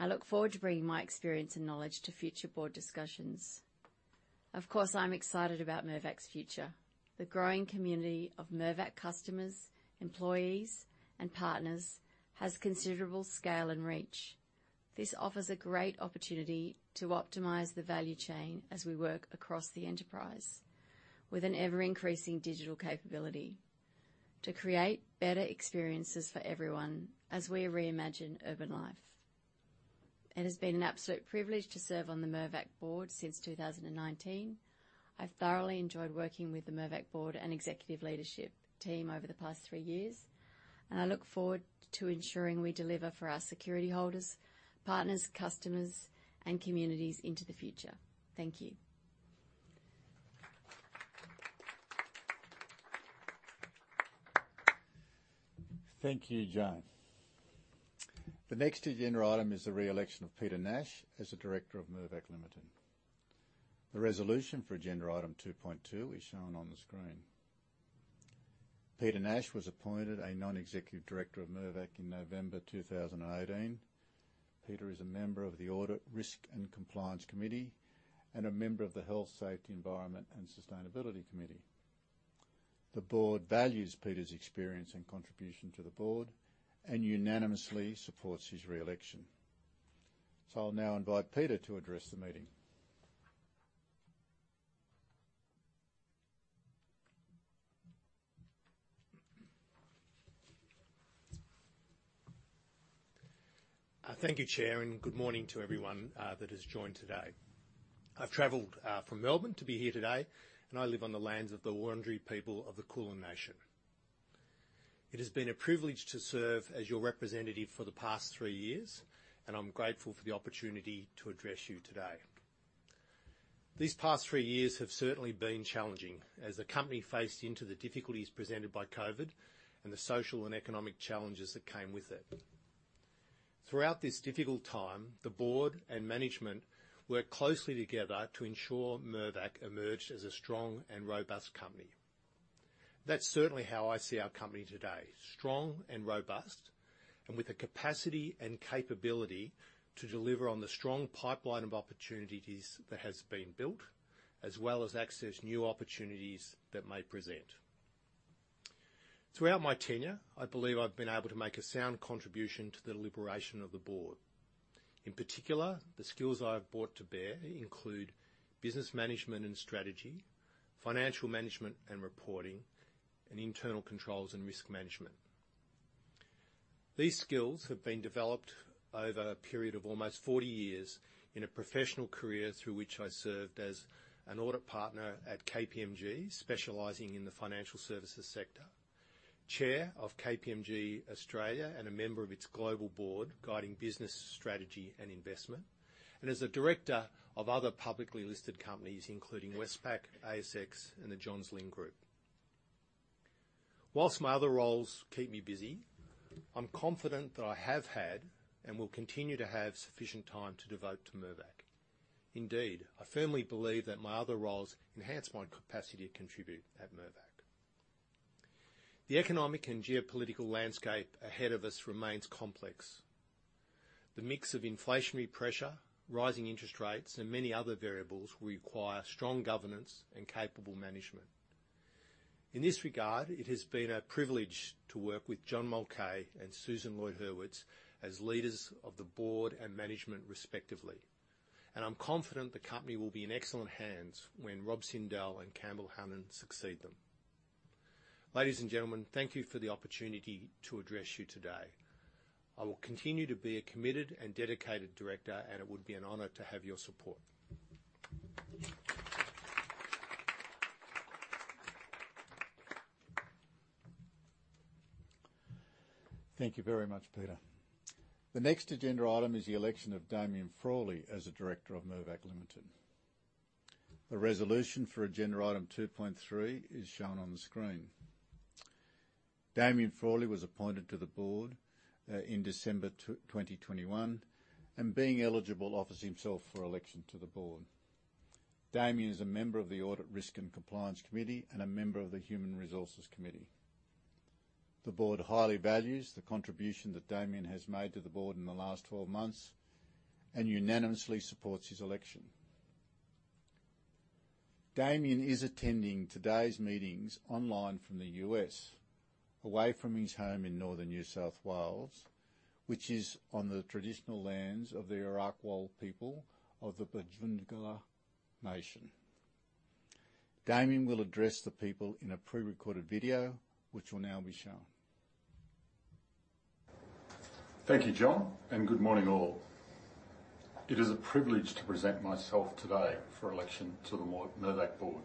I look forward to bringing my experience and knowledge to future board discussions. Of course, I'm excited about Mirvac's future. The growing community of Mirvac customers, employees, and partners has considerable scale and reach. This offers a great opportunity to optimize the value chain as we work across the enterprise with an ever-increasing digital capability to create better experiences for everyone as we reimagine urban life. It has been an absolute privilege to serve on the Mirvac Board since 2019. I've thoroughly enjoyed working with the Mirvac Board and Executive Leadership Team over the past three years, and I look forward to ensuring we deliver for our security holders, partners, customers, and communities into the future. Thank you. Thank you, Jane. The next agenda item is the reelection of Peter Nash as a Director of Mirvac Limited. The resolution for agenda item 2.2 is shown on the screen. Peter Nash was appointed a Non-Executive Director of Mirvac in November 2018. Peter is a member of the Audit, Risk and Compliance Committee and a member of the Health, Safety, Environment and Sustainability Committee. The board values Peter's experience and contribution to the board and unanimously supports his reelection. I'll now invite Peter to address the meeting. Thank you, Chair, and good morning to everyone that has joined today. I've traveled from Melbourne to be here today, and I live on the lands of the Wurundjeri people of the Kulin nation. It has been a privilege to serve as your representative for the past three years, and I'm grateful for the opportunity to address you today. These past three years have certainly been challenging as the company faced into the difficulties presented by COVID and the social and economic challenges that came with it. Throughout this difficult time, the Board and management worked closely together to ensure Mirvac emerged as a strong and robust company. That's certainly how I see our company today, strong and robust, and with the capacity and capability to deliver on the strong pipeline of opportunities that has been built, as well as access new opportunities that may present. Throughout my tenure, I believe I've been able to make a sound contribution to the liberation of the board. In particular, the skills I have brought to bear include business management and strategy, financial management and reporting, and internal controls and risk management. These skills have been developed over a period of almost forty years in a professional career through which I served as an audit partner at KPMG, specializing in the financial services sector. Chair of KPMG Australia and a member of its global board guiding business strategy and investment, and is a director of other publicly listed companies including Westpac, ASX, and the Johns Lyng Group. Whilst my other roles keep me busy, I'm confident that I have had and will continue to have sufficient time to devote to Mirvac. Indeed, I firmly believe that my other roles enhance my capacity to contribute at Mirvac. The economic and geopolitical landscape ahead of us remains complex. The mix of inflationary pressure, rising interest rates, and many other variables will require strong governance and capable management. In this regard, it has been our privilege to work with John Mulcahy and Susan Lloyd-Hurwitz as leaders of the Board and management respectively, and I'm confident the company will be in excellent hands when Rob Sindel and Campbell Hanan succeed them. Ladies and gentlemen, thank you for the opportunity to address you today. I will continue to be a committed and dedicated Director, and it would be an honor to have your support. Thank you very much, Peter. The next agenda item is the election of Damien Frawley as a Director of Mirvac Limited. The resolution for agenda item 2.3 is shown on the screen. Damien Frawley was appointed to the Board in December 2021, and being eligible offers himself for election to the Board. Damien is a member of the Audit, Risk and Compliance Committee and a member of the Human Resources Committee. The Board highly values the contribution that Damien has made to the Board in the last 12 months and unanimously supports his election. Damien is attending today's meetings online from the U.S., away from his home in northern New South Wales, which is on the traditional lands of the Arakwal people of the Bundjalung Nation. Damien will address the people in a pre-recorded video, which will now be shown. Thank you, John, and good morning all. It is a privilege to present myself today for election to the Mirvac Board.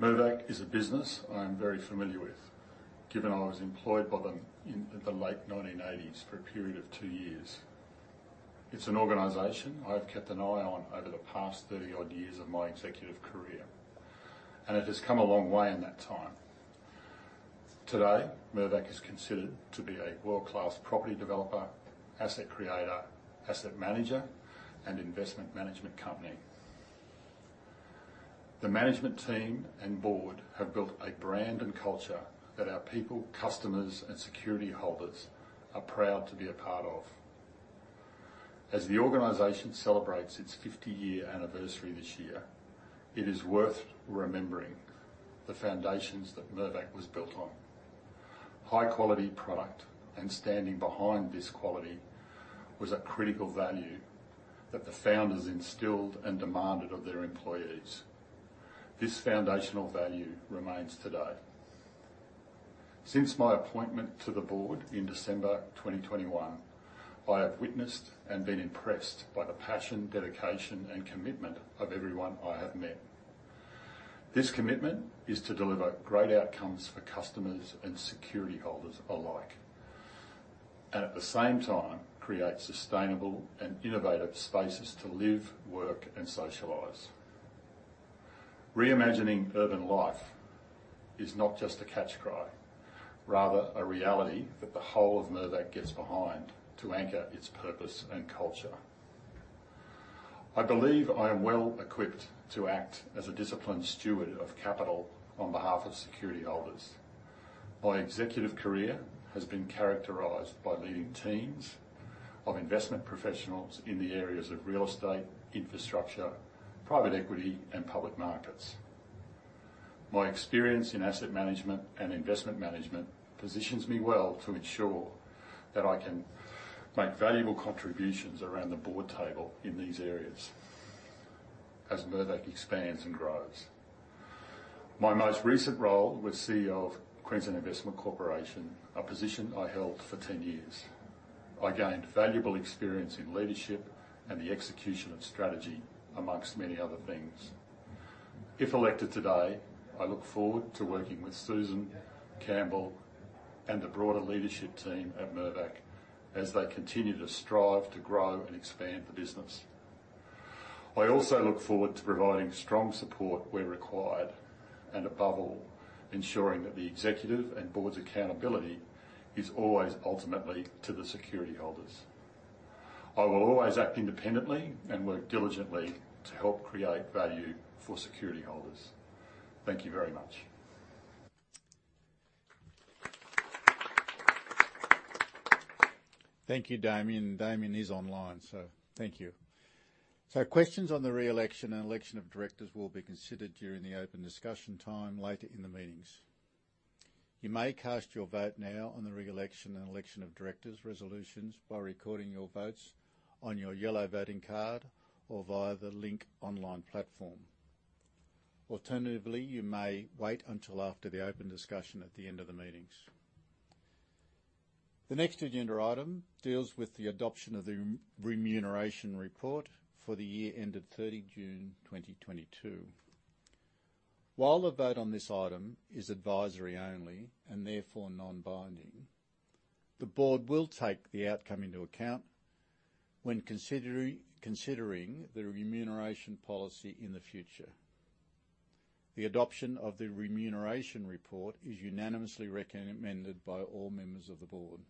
Mirvac is a business I am very familiar with given I was employed by them in the late 1980s for a period of two years. It's an organization I've kept an eye on over the past 30-odd years of my executive career, and it has come a long way in that time. Today, Mirvac is considered to be a world-class property developer, asset creator, asset manager, and investment management company. The management team and Board have built a brand and culture that our people, customers, and security holders are proud to be a part of. As the organization celebrates its 50-year anniversary this year, it is worth remembering the foundations that Mirvac was built on. High-quality product and standing behind this quality was a critical value that the Founders instilled and demanded of their employees. This foundational value remains today. Since my appointment to the Board in December 2021, I have witnessed and been impressed by the passion, dedication, and commitment of everyone I have met. This commitment is to deliver great outcomes for customers and securityholders alike, and at the same time, create sustainable and innovative spaces to live, work, and socialize. Reimagining Urban Life is not just a catchcry, rather a reality that the whole of Mirvac gets behind to anchor its purpose and culture. I believe I am well-equipped to act as a disciplined steward of capital on behalf of securityholders. My executive career has been characterized by leading teams of investment professionals in the areas of real estate, infrastructure, private equity, and public markets. My experience in asset management and investment management positions me well to ensure that I can make valuable contributions around the board table in these areas as Mirvac expands and grows. My most recent role was Chief Executive Officer of Queensland Investment Corporation, a position I held for 10 years. I gained valuable experience in leadership and the execution of strategy, amongst many other things. If elected today, I look forward to working with Susan, Campbell, and the broader leadership team at Mirvac as they continue to strive to grow and expand the business. I also look forward to providing strong support where required, and above all, ensuring that the executive and board's accountability is always ultimately to the security holders. I will always act independently and work diligently to help create value for security holders. Thank you very much. Thank you, Damien. Damien is online, so thank you. Questions on the re-election and election of directors will be considered during the open discussion time later in the meetings. You may cast your vote now on the re-election and election of directors resolutions by recording your votes on your yellow voting card or via the Link online platform. Alternatively, you may wait until after the open discussion at the end of the meetings. The next agenda item deals with the adoption of the Remuneration Report for the year ended 30 June 2022. While the vote on this item is advisory only and therefore non-binding, the Board will take the outcome into account when considering the remuneration policy in the future. The adoption of the Remuneration Report is unanimously recommended by all members of the Board.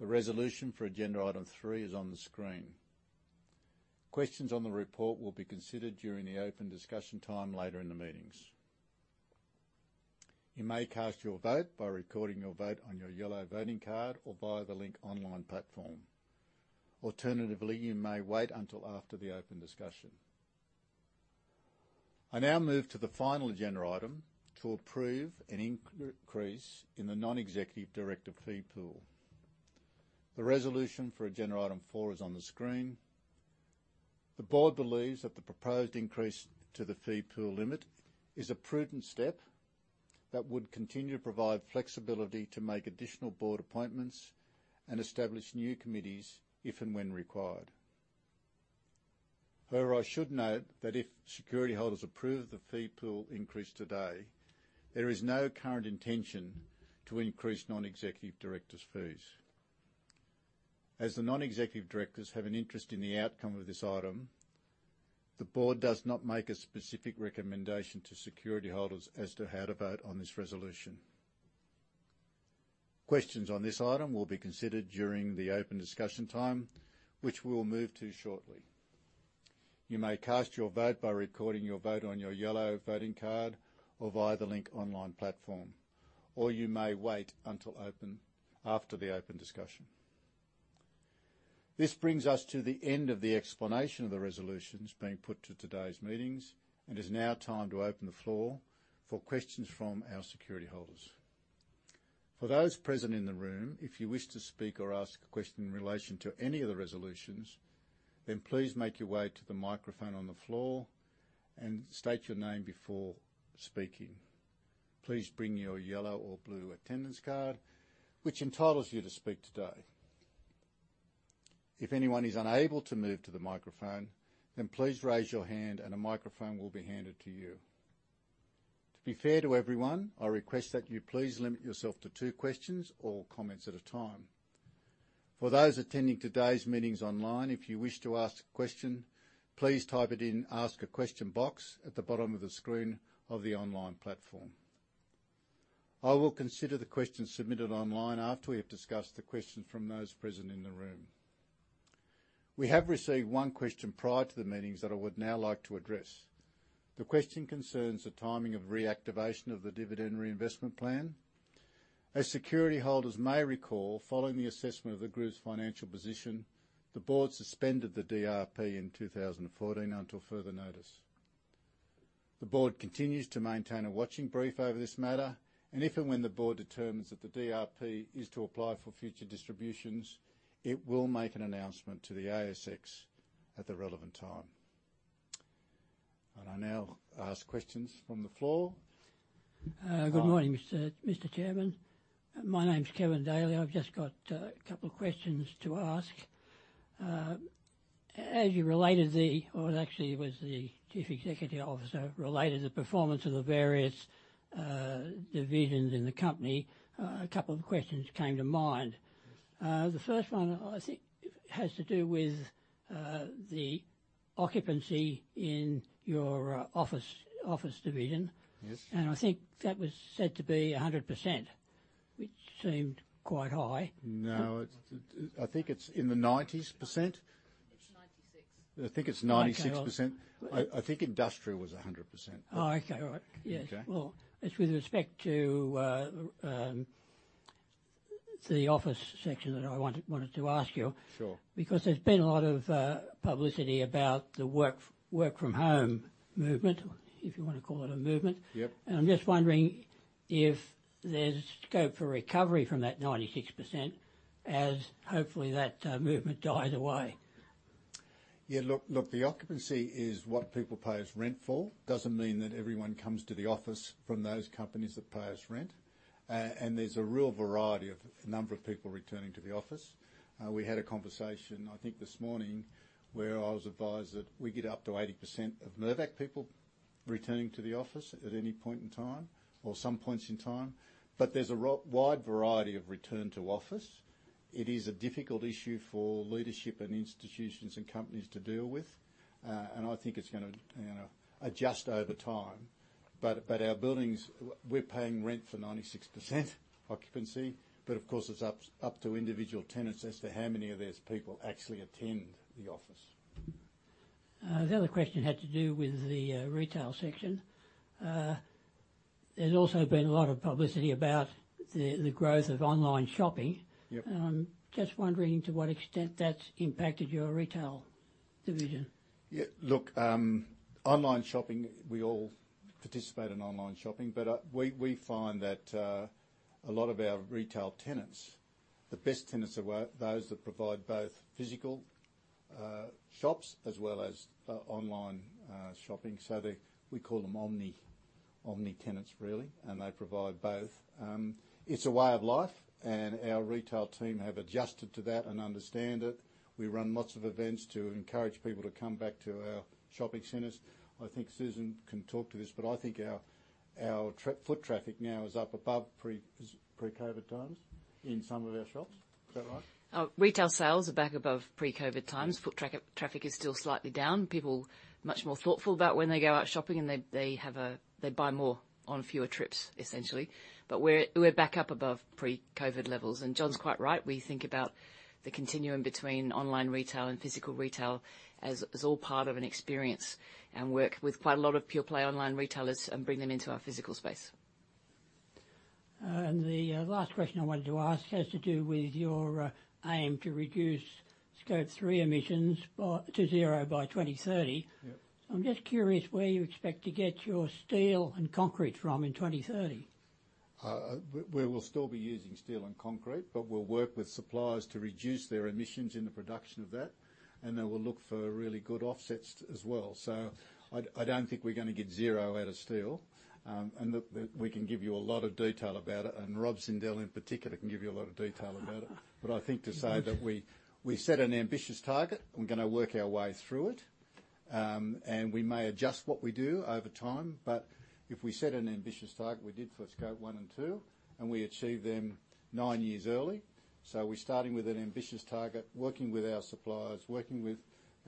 The resolution for agenda item three is on the screen. Questions on the report will be considered during the open discussion time later in the meetings. You may cast your vote by recording your vote on your yellow voting card or via the Link online platform. Alternatively, you may wait until after the open discussion. I now move to the final agenda item to approve an increase in the non-executive director fee pool. The resolution for agenda item four is on the screen. The board believes that the proposed increase to the fee pool limit is a prudent step that would continue to provide flexibility to make additional board appointments and establish new committees if and when required. However, I should note that if security holders approve the fee pool increase today, there is no current intention to increase non-executive directors' fees. As the Non-Executive Directors have an interest in the outcome of this item, the Board does not make a specific recommendation to securityholders as to how to vote on this resolution. Questions on this item will be considered during the open discussion time, which we'll move to shortly. You may cast your vote by recording your vote on your yellow voting card or via the Link online platform, or you may wait until after the open discussion. This brings us to the end of the explanation of the resolutions being put to today's meetings and is now time to open the floor for questions from our securityholders. For those present in the room, if you wish to speak or ask a question in relation to any of the resolutions, then please make your way to the microphone on the floor and state your name before speaking. Please bring your yellow or blue attendance card, which entitles you to speak today. If anyone is unable to move to the microphone, then please raise your hand and a microphone will be handed to you. To be fair to everyone, I request that you please limit yourself to two questions or comments at a time. For those attending today's meetings online, if you wish to ask a question, please type it in Ask a Question box at the bottom of the screen of the online platform. I will consider the questions submitted online after we have discussed the questions from those present in the room. We have received one question prior to the meetings that I would now like to address. The question concerns the timing of reactivation of the Dividend Reinvestment Plan. As security holders may recall, following the assessment of the Group's financial position, the Board suspended the DRP in 2014 until further notice. The Board continues to maintain a watching brief over this matter, and if and when the Board determines that the DRP is to apply for future distributions, it will make an announcement to the ASX at the relevant time. I now ask questions from the floor. Good morning, Mr. Chairman. My name's Kevin Daly. I've just got a couple of questions to ask. Actually, it was the Chief Executive Officer, related the performance of the various divisions in the company. A couple of questions came to mind. Yes. The first one I think has to do with the occupancy in your office division. Yes. I think that was said to be 100%, which seemed quite high. No, I think it's in the 90s%. It's 96. I think it's 96%. Okay. I think industrial was 100%. Oh, okay. All right. Yeah. Okay. Well, it's with respect to the office section that I wanted to ask you. Sure. Because there's been a lot of publicity about the work from home movement, if you wanna call it a movement. Yep. I'm just wondering if there's scope for recovery from that 96% as hopefully that movement dies away? Yeah, look, the occupancy is what people pay us rent for. Doesn't mean that everyone comes to the office from those companies that pay us rent. There's a real variety of number of people returning to the office. We had a conversation, I think this morning, where I was advised that we get up to 80% of Mirvac people returning to the office at any point in time or some points in time. There's a wide variety of return to office. It is a difficult issue for leadership and institutions and companies to deal with. I think it's gonna, you know, adjust over time. Our buildings, we're paying rent for 96% occupancy, but of course, it's up to individual tenants as to how many of those people actually attend the office. The other question had to do with the retail section. There's also been a lot of publicity about the growth of online shopping. Yep. I'm just wondering to what extent that's impacted your retail division. Yeah, look, online shopping, we all participate in online shopping. We find that a lot of our retail tenants, the best tenants are those that provide both physical shops as well as online shopping. We call them omni tenants, really, and they provide both. It's a way of life, and our retail team have adjusted to that and understand it. We run lots of events to encourage people to come back to our shopping centers. I think Susan can talk to this, but I think our foot traffic now is up above pre-COVID times in some of our shops. Is that right? Retail sales are back above pre-COVID times. Mm-hmm. Foot traffic is still slightly down. People are much more thoughtful about when they go out shopping, and they buy more on fewer trips, essentially. We're back up above pre-COVID levels. Yes. John's quite right. We think about the continuum between online retail and physical retail as all part of an experience and work with quite a lot of pure play online retailers and bring them into our physical space. The last question I wanted to ask has to do with your aim to reduce Scope 3 emissions to zero by 2030. Yep. I'm just curious where you expect to get your steel and concrete from in 2030? Uh, we-we will still be using steel and concrete, but we'll work with suppliers to reduce their emissions in the production of that, and then we'll look for really good offsets as well. So I-I don't think we're gonna get zero out of steel. Um, and the... We can give you a lot of detail about it, and Rob Sindel in particular can give you a lot of detail about it. But I think to say that we set an ambitious target, we're gonna work our way through it. Um, and we may adjust what we do over time, but if we set an ambitious target, we did for Scope one and two, and we achieved them nine years early. So we're starting with an ambitious target, working with our suppliers, working with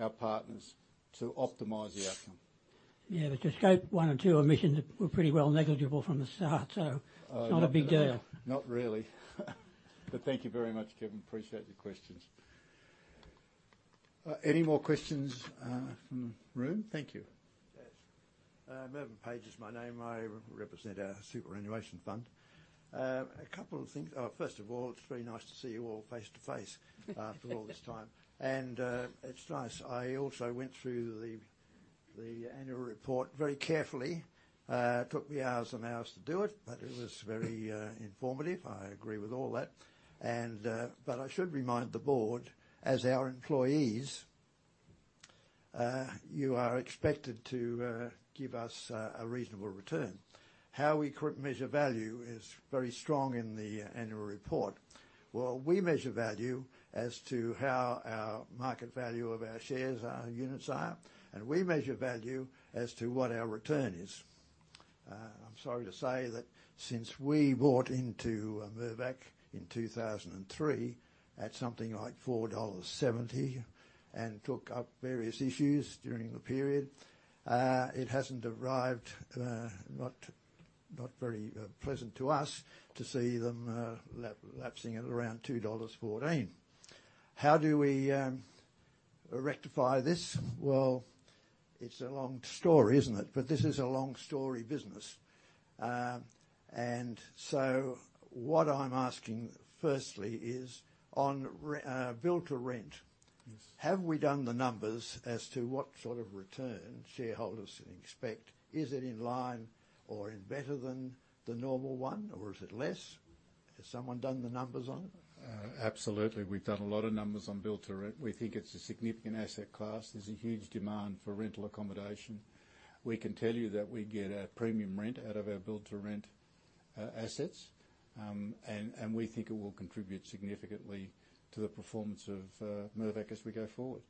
our partners to optimize the outcome. Yeah. Your Scope 1 and 2 emissions were pretty well negligible from the start. Oh, yeah. It's not a big deal. Not really. Thank you very much, Kevin. Appreciate your questions. Any more questions from the room? Thank you. Yes. Mervin Page is my name. I represent our superannuation fund. A couple of things. First of all, it's very nice to see you all face to face after all this time. It's nice. I also went through the annual report very carefully. Took me hours and hours to do it, but it was very informative. I agree with all that. I should remind the Board, as our employees, you are expected to give us a reasonable return. How we measure value is very strong in the annual report. Well, we measure value as to how our market value of our shares, our units are, and we measure value as to what our return is. I'm sorry to say that since we bought into Mirvac in 2003 at something like 4.70 dollars and took up various issues during the period, it hasn't arrived, not very pleasant to us to see them lapsing at around 2.14 dollars. How do we rectify this? Well, it's a long story, isn't it? This is a long story business. What I'm asking firstly is on build-to-rent. Yes. Have we done the numbers as to what sort of return shareholders can expect? Is it in line or in better than the normal one, or is it less? Has someone done the numbers on it? Absolutely. We've done a lot of numbers on build-to-rent. We think it's a significant asset class. There's a huge demand for rental accommodation. We can tell you that we get a premium rent out of our build-to-rent assets. We think it will contribute significantly to the performance of Mirvac as we go forward.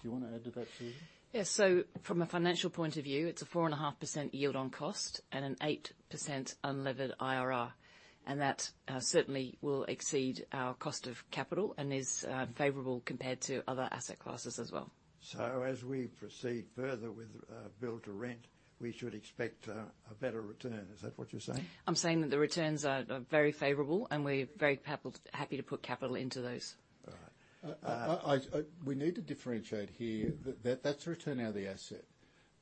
Do you wanna add to that, Susan? Yes. From a financial point of view, it's a 4.5% yield on cost and an 8% unlevered IRR, and that certainly will exceed our cost of capital and is favorable compared to other asset classes as well. As we proceed further with build-to-rent, we should expect a better return. Is that what you're saying? I'm saying that the returns are very favorable, and we're very happy to put capital into those. All right. We need to differentiate here. That's the return out of the asset,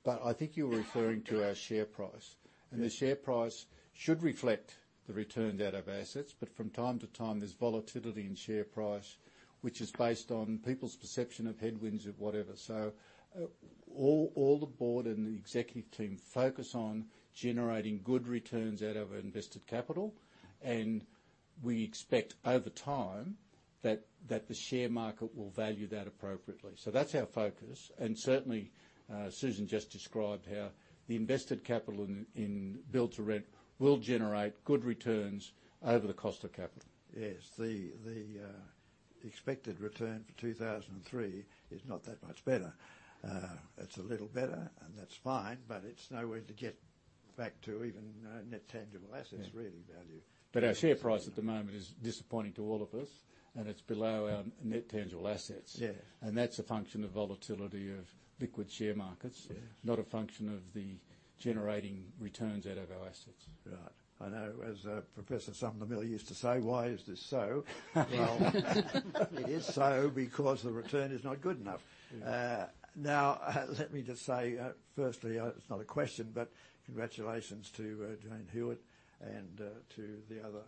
but I think you were referring to our share price. Yes. The share price should reflect the returns out of our assets, but from time to time, there's volatility in share price, which is based on people's perception of headwinds or whatever. All the board and the executive team focus on generating good returns out of our invested capital, and we expect over time that the share market will value that appropriately. That's our focus, and certainly, Susan just described how the invested capital in build-to-rent will generate good returns over the cost of capital. Yes. The expected return for 2003 is not that much better. It's a little better, and that's fine, but it's nowhere to get back to even net tangible assets. Yeah ...really value. Our share price at the moment is disappointing to all of us, and it's below our net tangible assets. Yeah. That's a function of volatility of liquid share markets. Yeah Not a function of the generating returns out of our assets. Right. I know as [AUDIO DISTORTION] used to say, why is this so? Well, it is so because the return is not good enough. Yeah. Now let me just say firstly, it's not a question, but congratulations to Jane Hewitt and to the other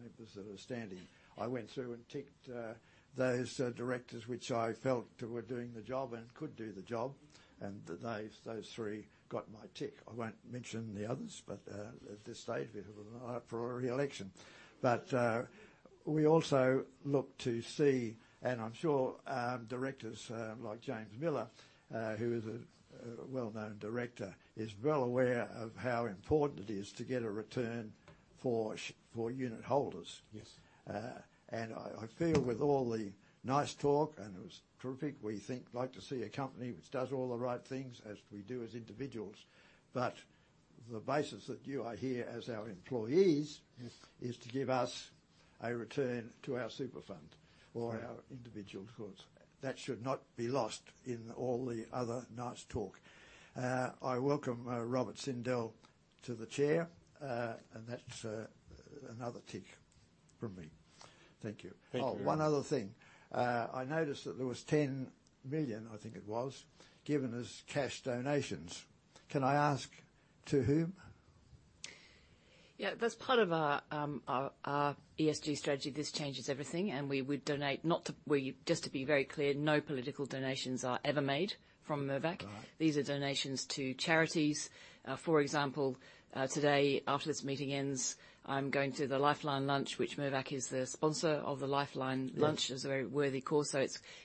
Members that are standing. I went through and ticked those Directors which I felt were doing the job and could do the job, and those three got my tick. I won't mention the others, but at this stage, they're not up for reelection. We also look to see, and I'm sure Directors like James Millar, who is a well-known Director, is well aware of how important it is to get a return for unit holders. Yes. I feel with all the nice talk, and it was terrific, we think like to see a company which does all the right things as we do as individuals. The basis that you are here as our employees. Yes Is to give us a return to our super fund. Right Our individual funds. That should not be lost in all the other nice talk. I welcome Rob Sindel to the Chair. That's another tick from me. Thank you. Thank you. Oh, one other thing. I noticed that there was 10 million, I think it was, given as cash donations. Can I ask to whom? Yeah. That's part of our ESG strategy, This Changes Everything. Just to be very clear, no political donations are ever made from Mirvac. All right. These are donations to charities. For example, today, after this meeting ends, I'm going to the Lifeline Lunch, which Mirvac is the sponsor of the Lifeline Lunch. Yes. It's a very worthy cause, so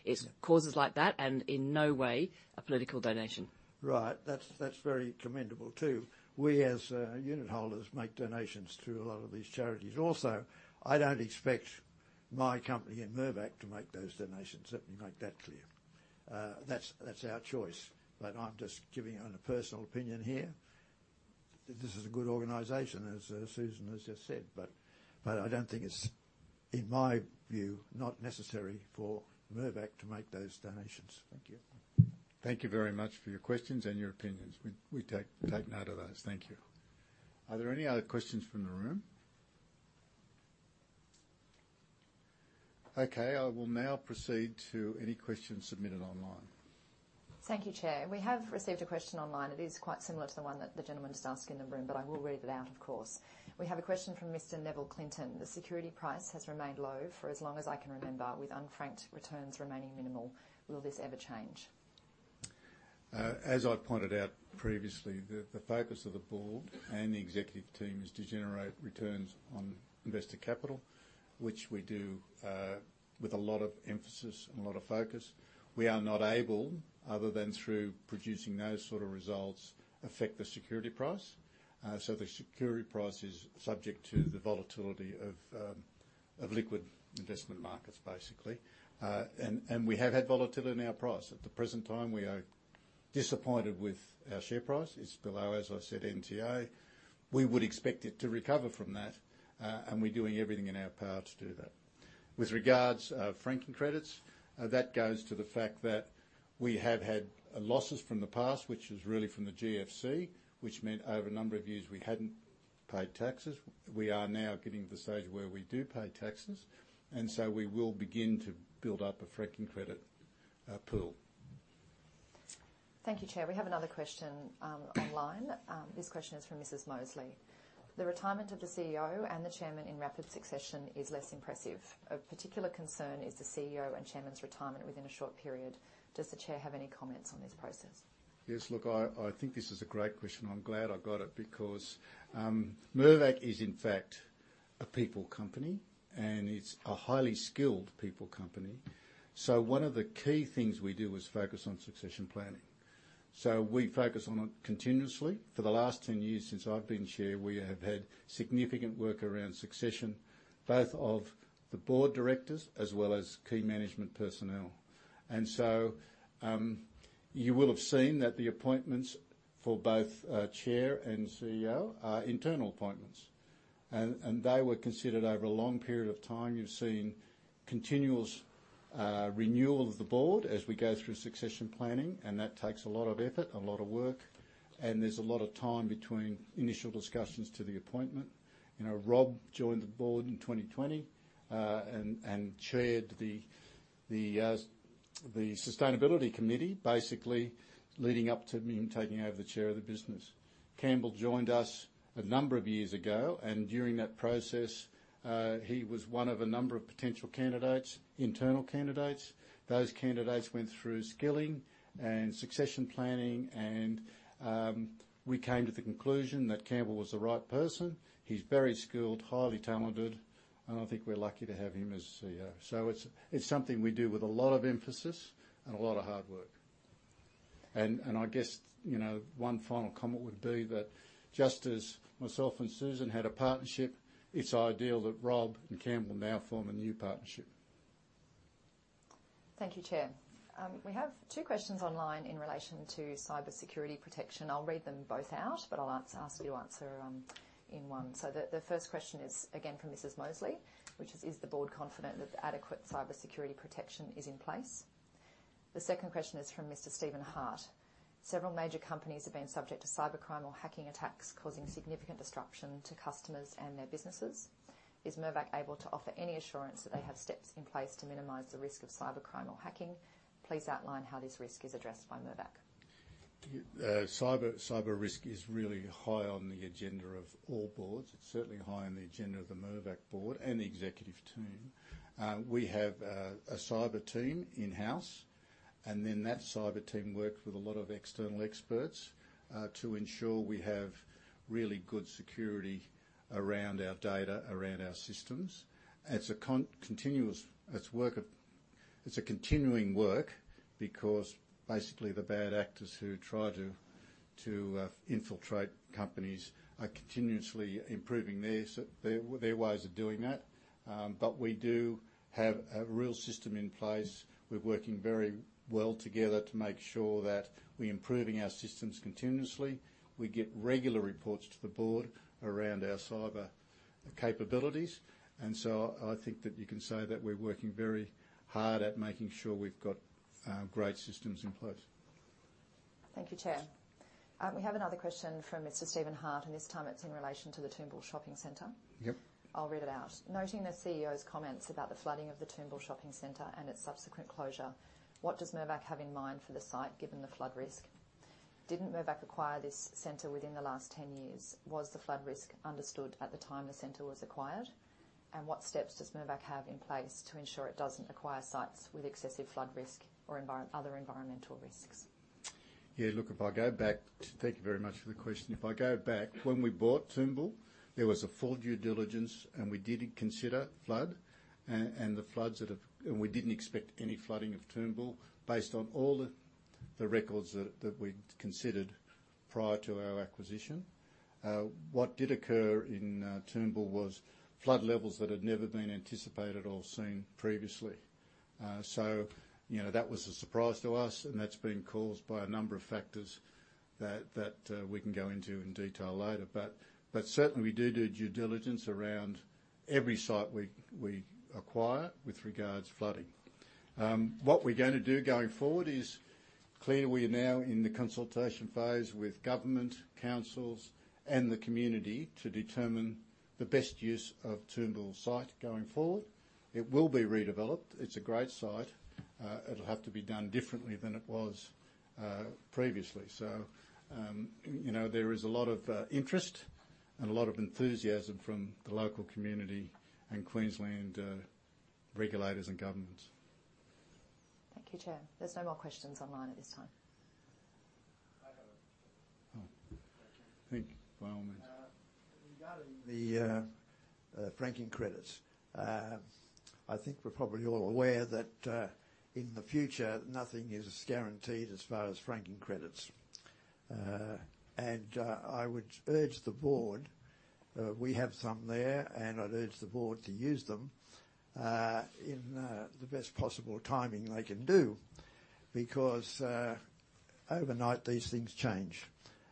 it's causes like that, and in no way a political donation. Right. That's very commendable too. We as unitholders make donations to a lot of these charities also. I don't expect my company and Mirvac to make those donations, let me make that clear. That's our choice. I'm just giving a personal opinion here. This is a good organization, as Susan has just said. I don't think it's, in my view, not necessary for Mirvac to make those donations. Thank you. Thank you very much for your questions and your opinions. We take note of those. Thank you. Are there any other questions from the room? Okay. I will now proceed to any questions submitted online. Thank you, Chair. We have received a question online. It is quite similar to the one that the gentleman just asked you in the room, but I will read it out of course. We have a question from Mr. Neville Clinton. The security price has remained low for as long as I can remember, with unfranked returns remaining minimal. Will this ever change? As I pointed out previously, the focus of the Board and the Executive Team is to generate returns on invested capital, which we do with a lot of emphasis and a lot of focus. We are not able, other than through producing those sort of results, affect the security price. The security price is subject to the volatility of liquid investment markets, basically. We have had volatility in our price. At the present time, we are disappointed with our share price. It's below, as I said, NTA. We would expect it to recover from that, and we're doing everything in our power to do that. With regards franking credits, that goes to the fact that we have had losses from the past, which is really from the GFC, which meant over a number of years we hadn't paid taxes. We are now getting to the stage where we do pay taxes, and so we will begin to build up a franking credit pool. Thank you, Chair. We have another question online. This question is from Scott Mosely. The retirement of the Chief Executive Officer and the Chairman in rapid succession is less impressive. Of particular concern is the Chief Executive Officer and Chairman's retirement within a short period. Does the Chair have any comments on this process? Yes. Look, I think this is a great question. I'm glad I got it because Mirvac is in fact a people company, and it's a highly skilled people company. One of the key things we do is focus on succession planning. We focus on it continuously. For the last 10 years since I've been Chair, we have had significant work around succession, both of the Board directors as well as key management personnel. You will have seen that the appointments for both Chair and Chief Executive Officer are internal appointments. They were considered over a long period of time. You've seen continuous renewal of the Board as we go through succession planning, and that takes a lot of effort, a lot of work, and there's a lot of time between initial discussions to the appointment. You know, Rob joined the board in 2020 and chaired the Sustainability Committee, basically leading up to me taking over the Chair of the business. Campbell joined us a number of years ago, and during that process, he was one of a number of potential candidates, internal candidates. Those candidates went through skilling and succession planning, and we came to the conclusion that Campbell was the right person. He's very skilled, highly talented, and I think we're lucky to have him as Chief Executive Officer. It's something we do with a lot of emphasis and a lot of hard work. I guess, you know, one final comment would be that just as myself and Susan had a partnership, it's ideal that Rob and Campbell now form a new partnership. Thank you, Chair. We have two questions online in relation to cybersecurity protection. I'll read them both out, but I'll ask you to answer in one. The first question is again from Scott Mosely, which is the board confident that adequate cybersecurity protection is in place? The second question is from Mr. Stephen Hart. Several major companies have been subject to cybercrime or hacking attacks causing significant disruption to customers and their businesses. Is Mirvac able to offer any assurance that they have steps in place to minimize the risk of cybercrime or hacking? Please outline how this risk is addressed by Mirvac. Cyber risk is really high on the agenda of all boards. It's certainly high on the agenda of the Mirvac Board and the executive team. We have a cyber team in-house, and then that cyber team works with a lot of external experts to ensure we have really good security around our data, around our systems. It's a continuing work because basically the bad actors who try to infiltrate companies are continuously improving their ways of doing that. We do have a real system in place. We're working very well together to make sure that we're improving our systems continuously. We give regular reports to the Board around our cyber capabilities. I think that you can say that we're working very hard at making sure we've got great systems in place. Thank you, Chair. We have another question from Stephen Hart, and this time it's in relation to the Toombul Shopping Centre. Yep. I'll read it out. Noting the Chief Executive Officer's comments about the flooding of the Toombul Shopping Centre and its subsequent closure, what does Mirvac have in mind for the site, given the flood risk? Didn't Mirvac acquire this center within the last 10 years? Was the flood risk understood at the time the center was acquired? What steps does Mirvac have in place to ensure it doesn't acquire sites with excessive flood risk or other environmental risks? Thank you very much for the question. If I go back, when we bought Toombul, there was a full due diligence, and we didn't consider flood. We didn't expect any flooding of Toombul based on all the records that we'd considered prior to our acquisition. What did occur in Toombul was flood levels that had never been anticipated or seen previously. You know, that was a surprise to us, and that's been caused by a number of factors that we can go into in detail later. Certainly we do due diligence around every site we acquire with regards to flooding. What we're gonna do going forward is clearly we're now in the consultation phase with government, councils, and the community to determine the best use of Toombul site going forward. It will be redeveloped. It's a great site. It'll have to be done differently than it was previously. You know, there is a lot of interest and a lot of enthusiasm from the local community and Queensland regulators and governments. Thank you, Chair. There's no more questions online at this time. I have a question. Oh. By all means. Regarding the franking credits, I think we're probably all aware that in the future, nothing is as guaranteed as far as franking credits. I would urge the Board, we have some there, and I'd urge the Board to use them in the best possible timing they can do. Because overnight, these things change,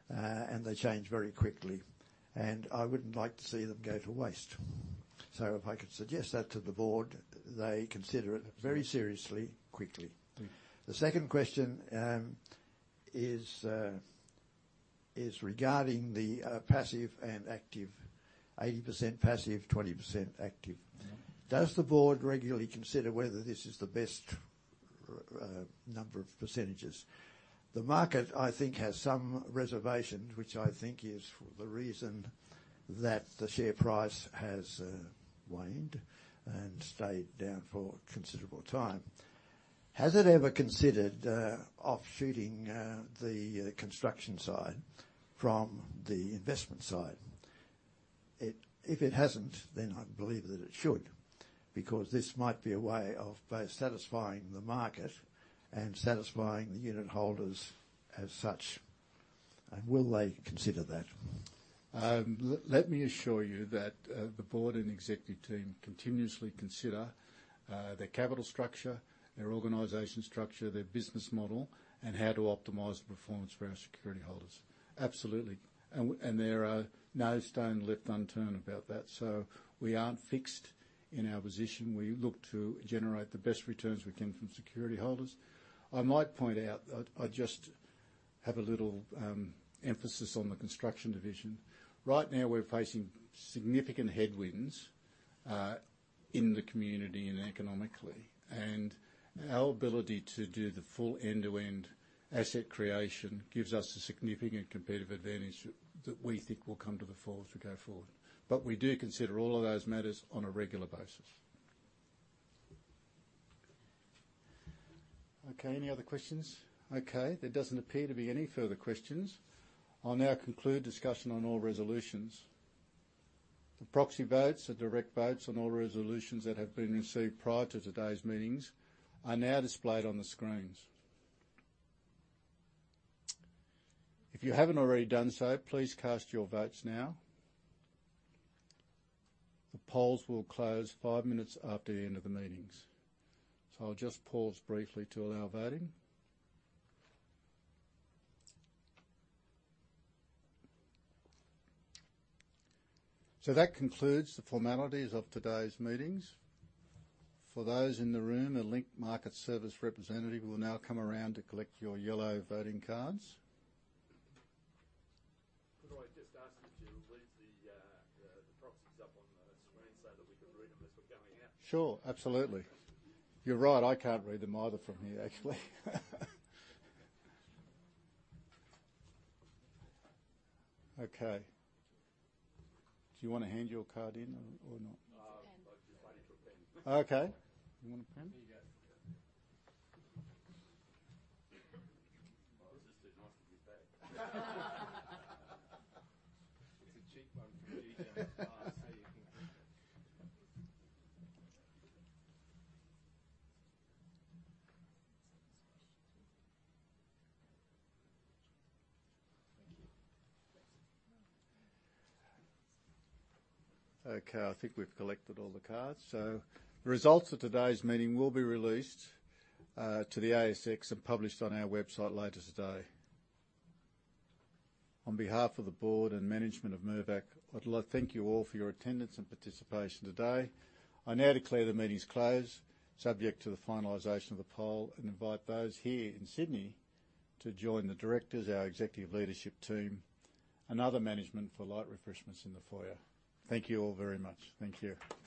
and they change very quickly. I wouldn't like to see them go to waste. If I could suggest that to the Board, they consider it very seriously, quickly. Yeah. The second question is regarding the passive and active, 80% passive, 20% active. Yeah. Does the Board regularly consider whether this is the best number of %? The market, I think, has some reservations, which I think is the reason that the share price has waned and stayed down for a considerable time. Has it ever considered offshooting the construction side from the investment side? If it hasn't, then I believe that it should, because this might be a way of both satisfying the market and satisfying the unitholders as such. Will they consider that? Let me assure you that the board and executive team continuously consider their capital structure, their organization structure, their business model, and how to optimize the performance for our security holders. Absolutely. There are no stone left unturned about that. We aren't fixed in our position. We look to generate the best returns we can from security holders. I might point out, I just have a little emphasis on the construction division. Right now, we're facing significant headwinds in the community and economically, and our ability to do the full end-to-end asset creation gives us a significant competitive advantage that we think will come to the fore as we go forward. We do consider all of those matters on a regular basis. Okay. Any other questions? Okay. There doesn't appear to be any further questions. I'll now conclude discussion on all resolutions. The proxy votes, the direct votes on all resolutions that have been received prior to today's meetings are now displayed on the screens. If you haven't already done so, please cast your votes now. The polls will close five minutes after the end of the meetings. I'll just pause briefly to allow voting. That concludes the formalities of today's meetings. For those in the room, a Link Market Services representative will now come around to collect your yellow voting cards. Could I just ask you to leave the proxies up on the screen so that we can read them as we're going out? Sure. Absolutely. You're right, I can't read them either from here, actually. Okay. Do you wanna hand your card in or not? Oh. Needs a pen. I was just waiting for a pen. Okay. You want a pen? There you go. Oh, is this the nice one you take? It's a cheap one from DJs. Okay. I think we've collected all the cards. The results of today's meeting will be released to the ASX and published on our website later today. On behalf of the Board and Management of Mirvac, I'd like to thank you all for your attendance and participation today. I now declare the meeting's closed, subject to the finalization of the poll, and invite those here in Sydney to join the Directors, our Executive Leadership Team, and other Management for light refreshments in the foyer. Thank you all very much. Thank you.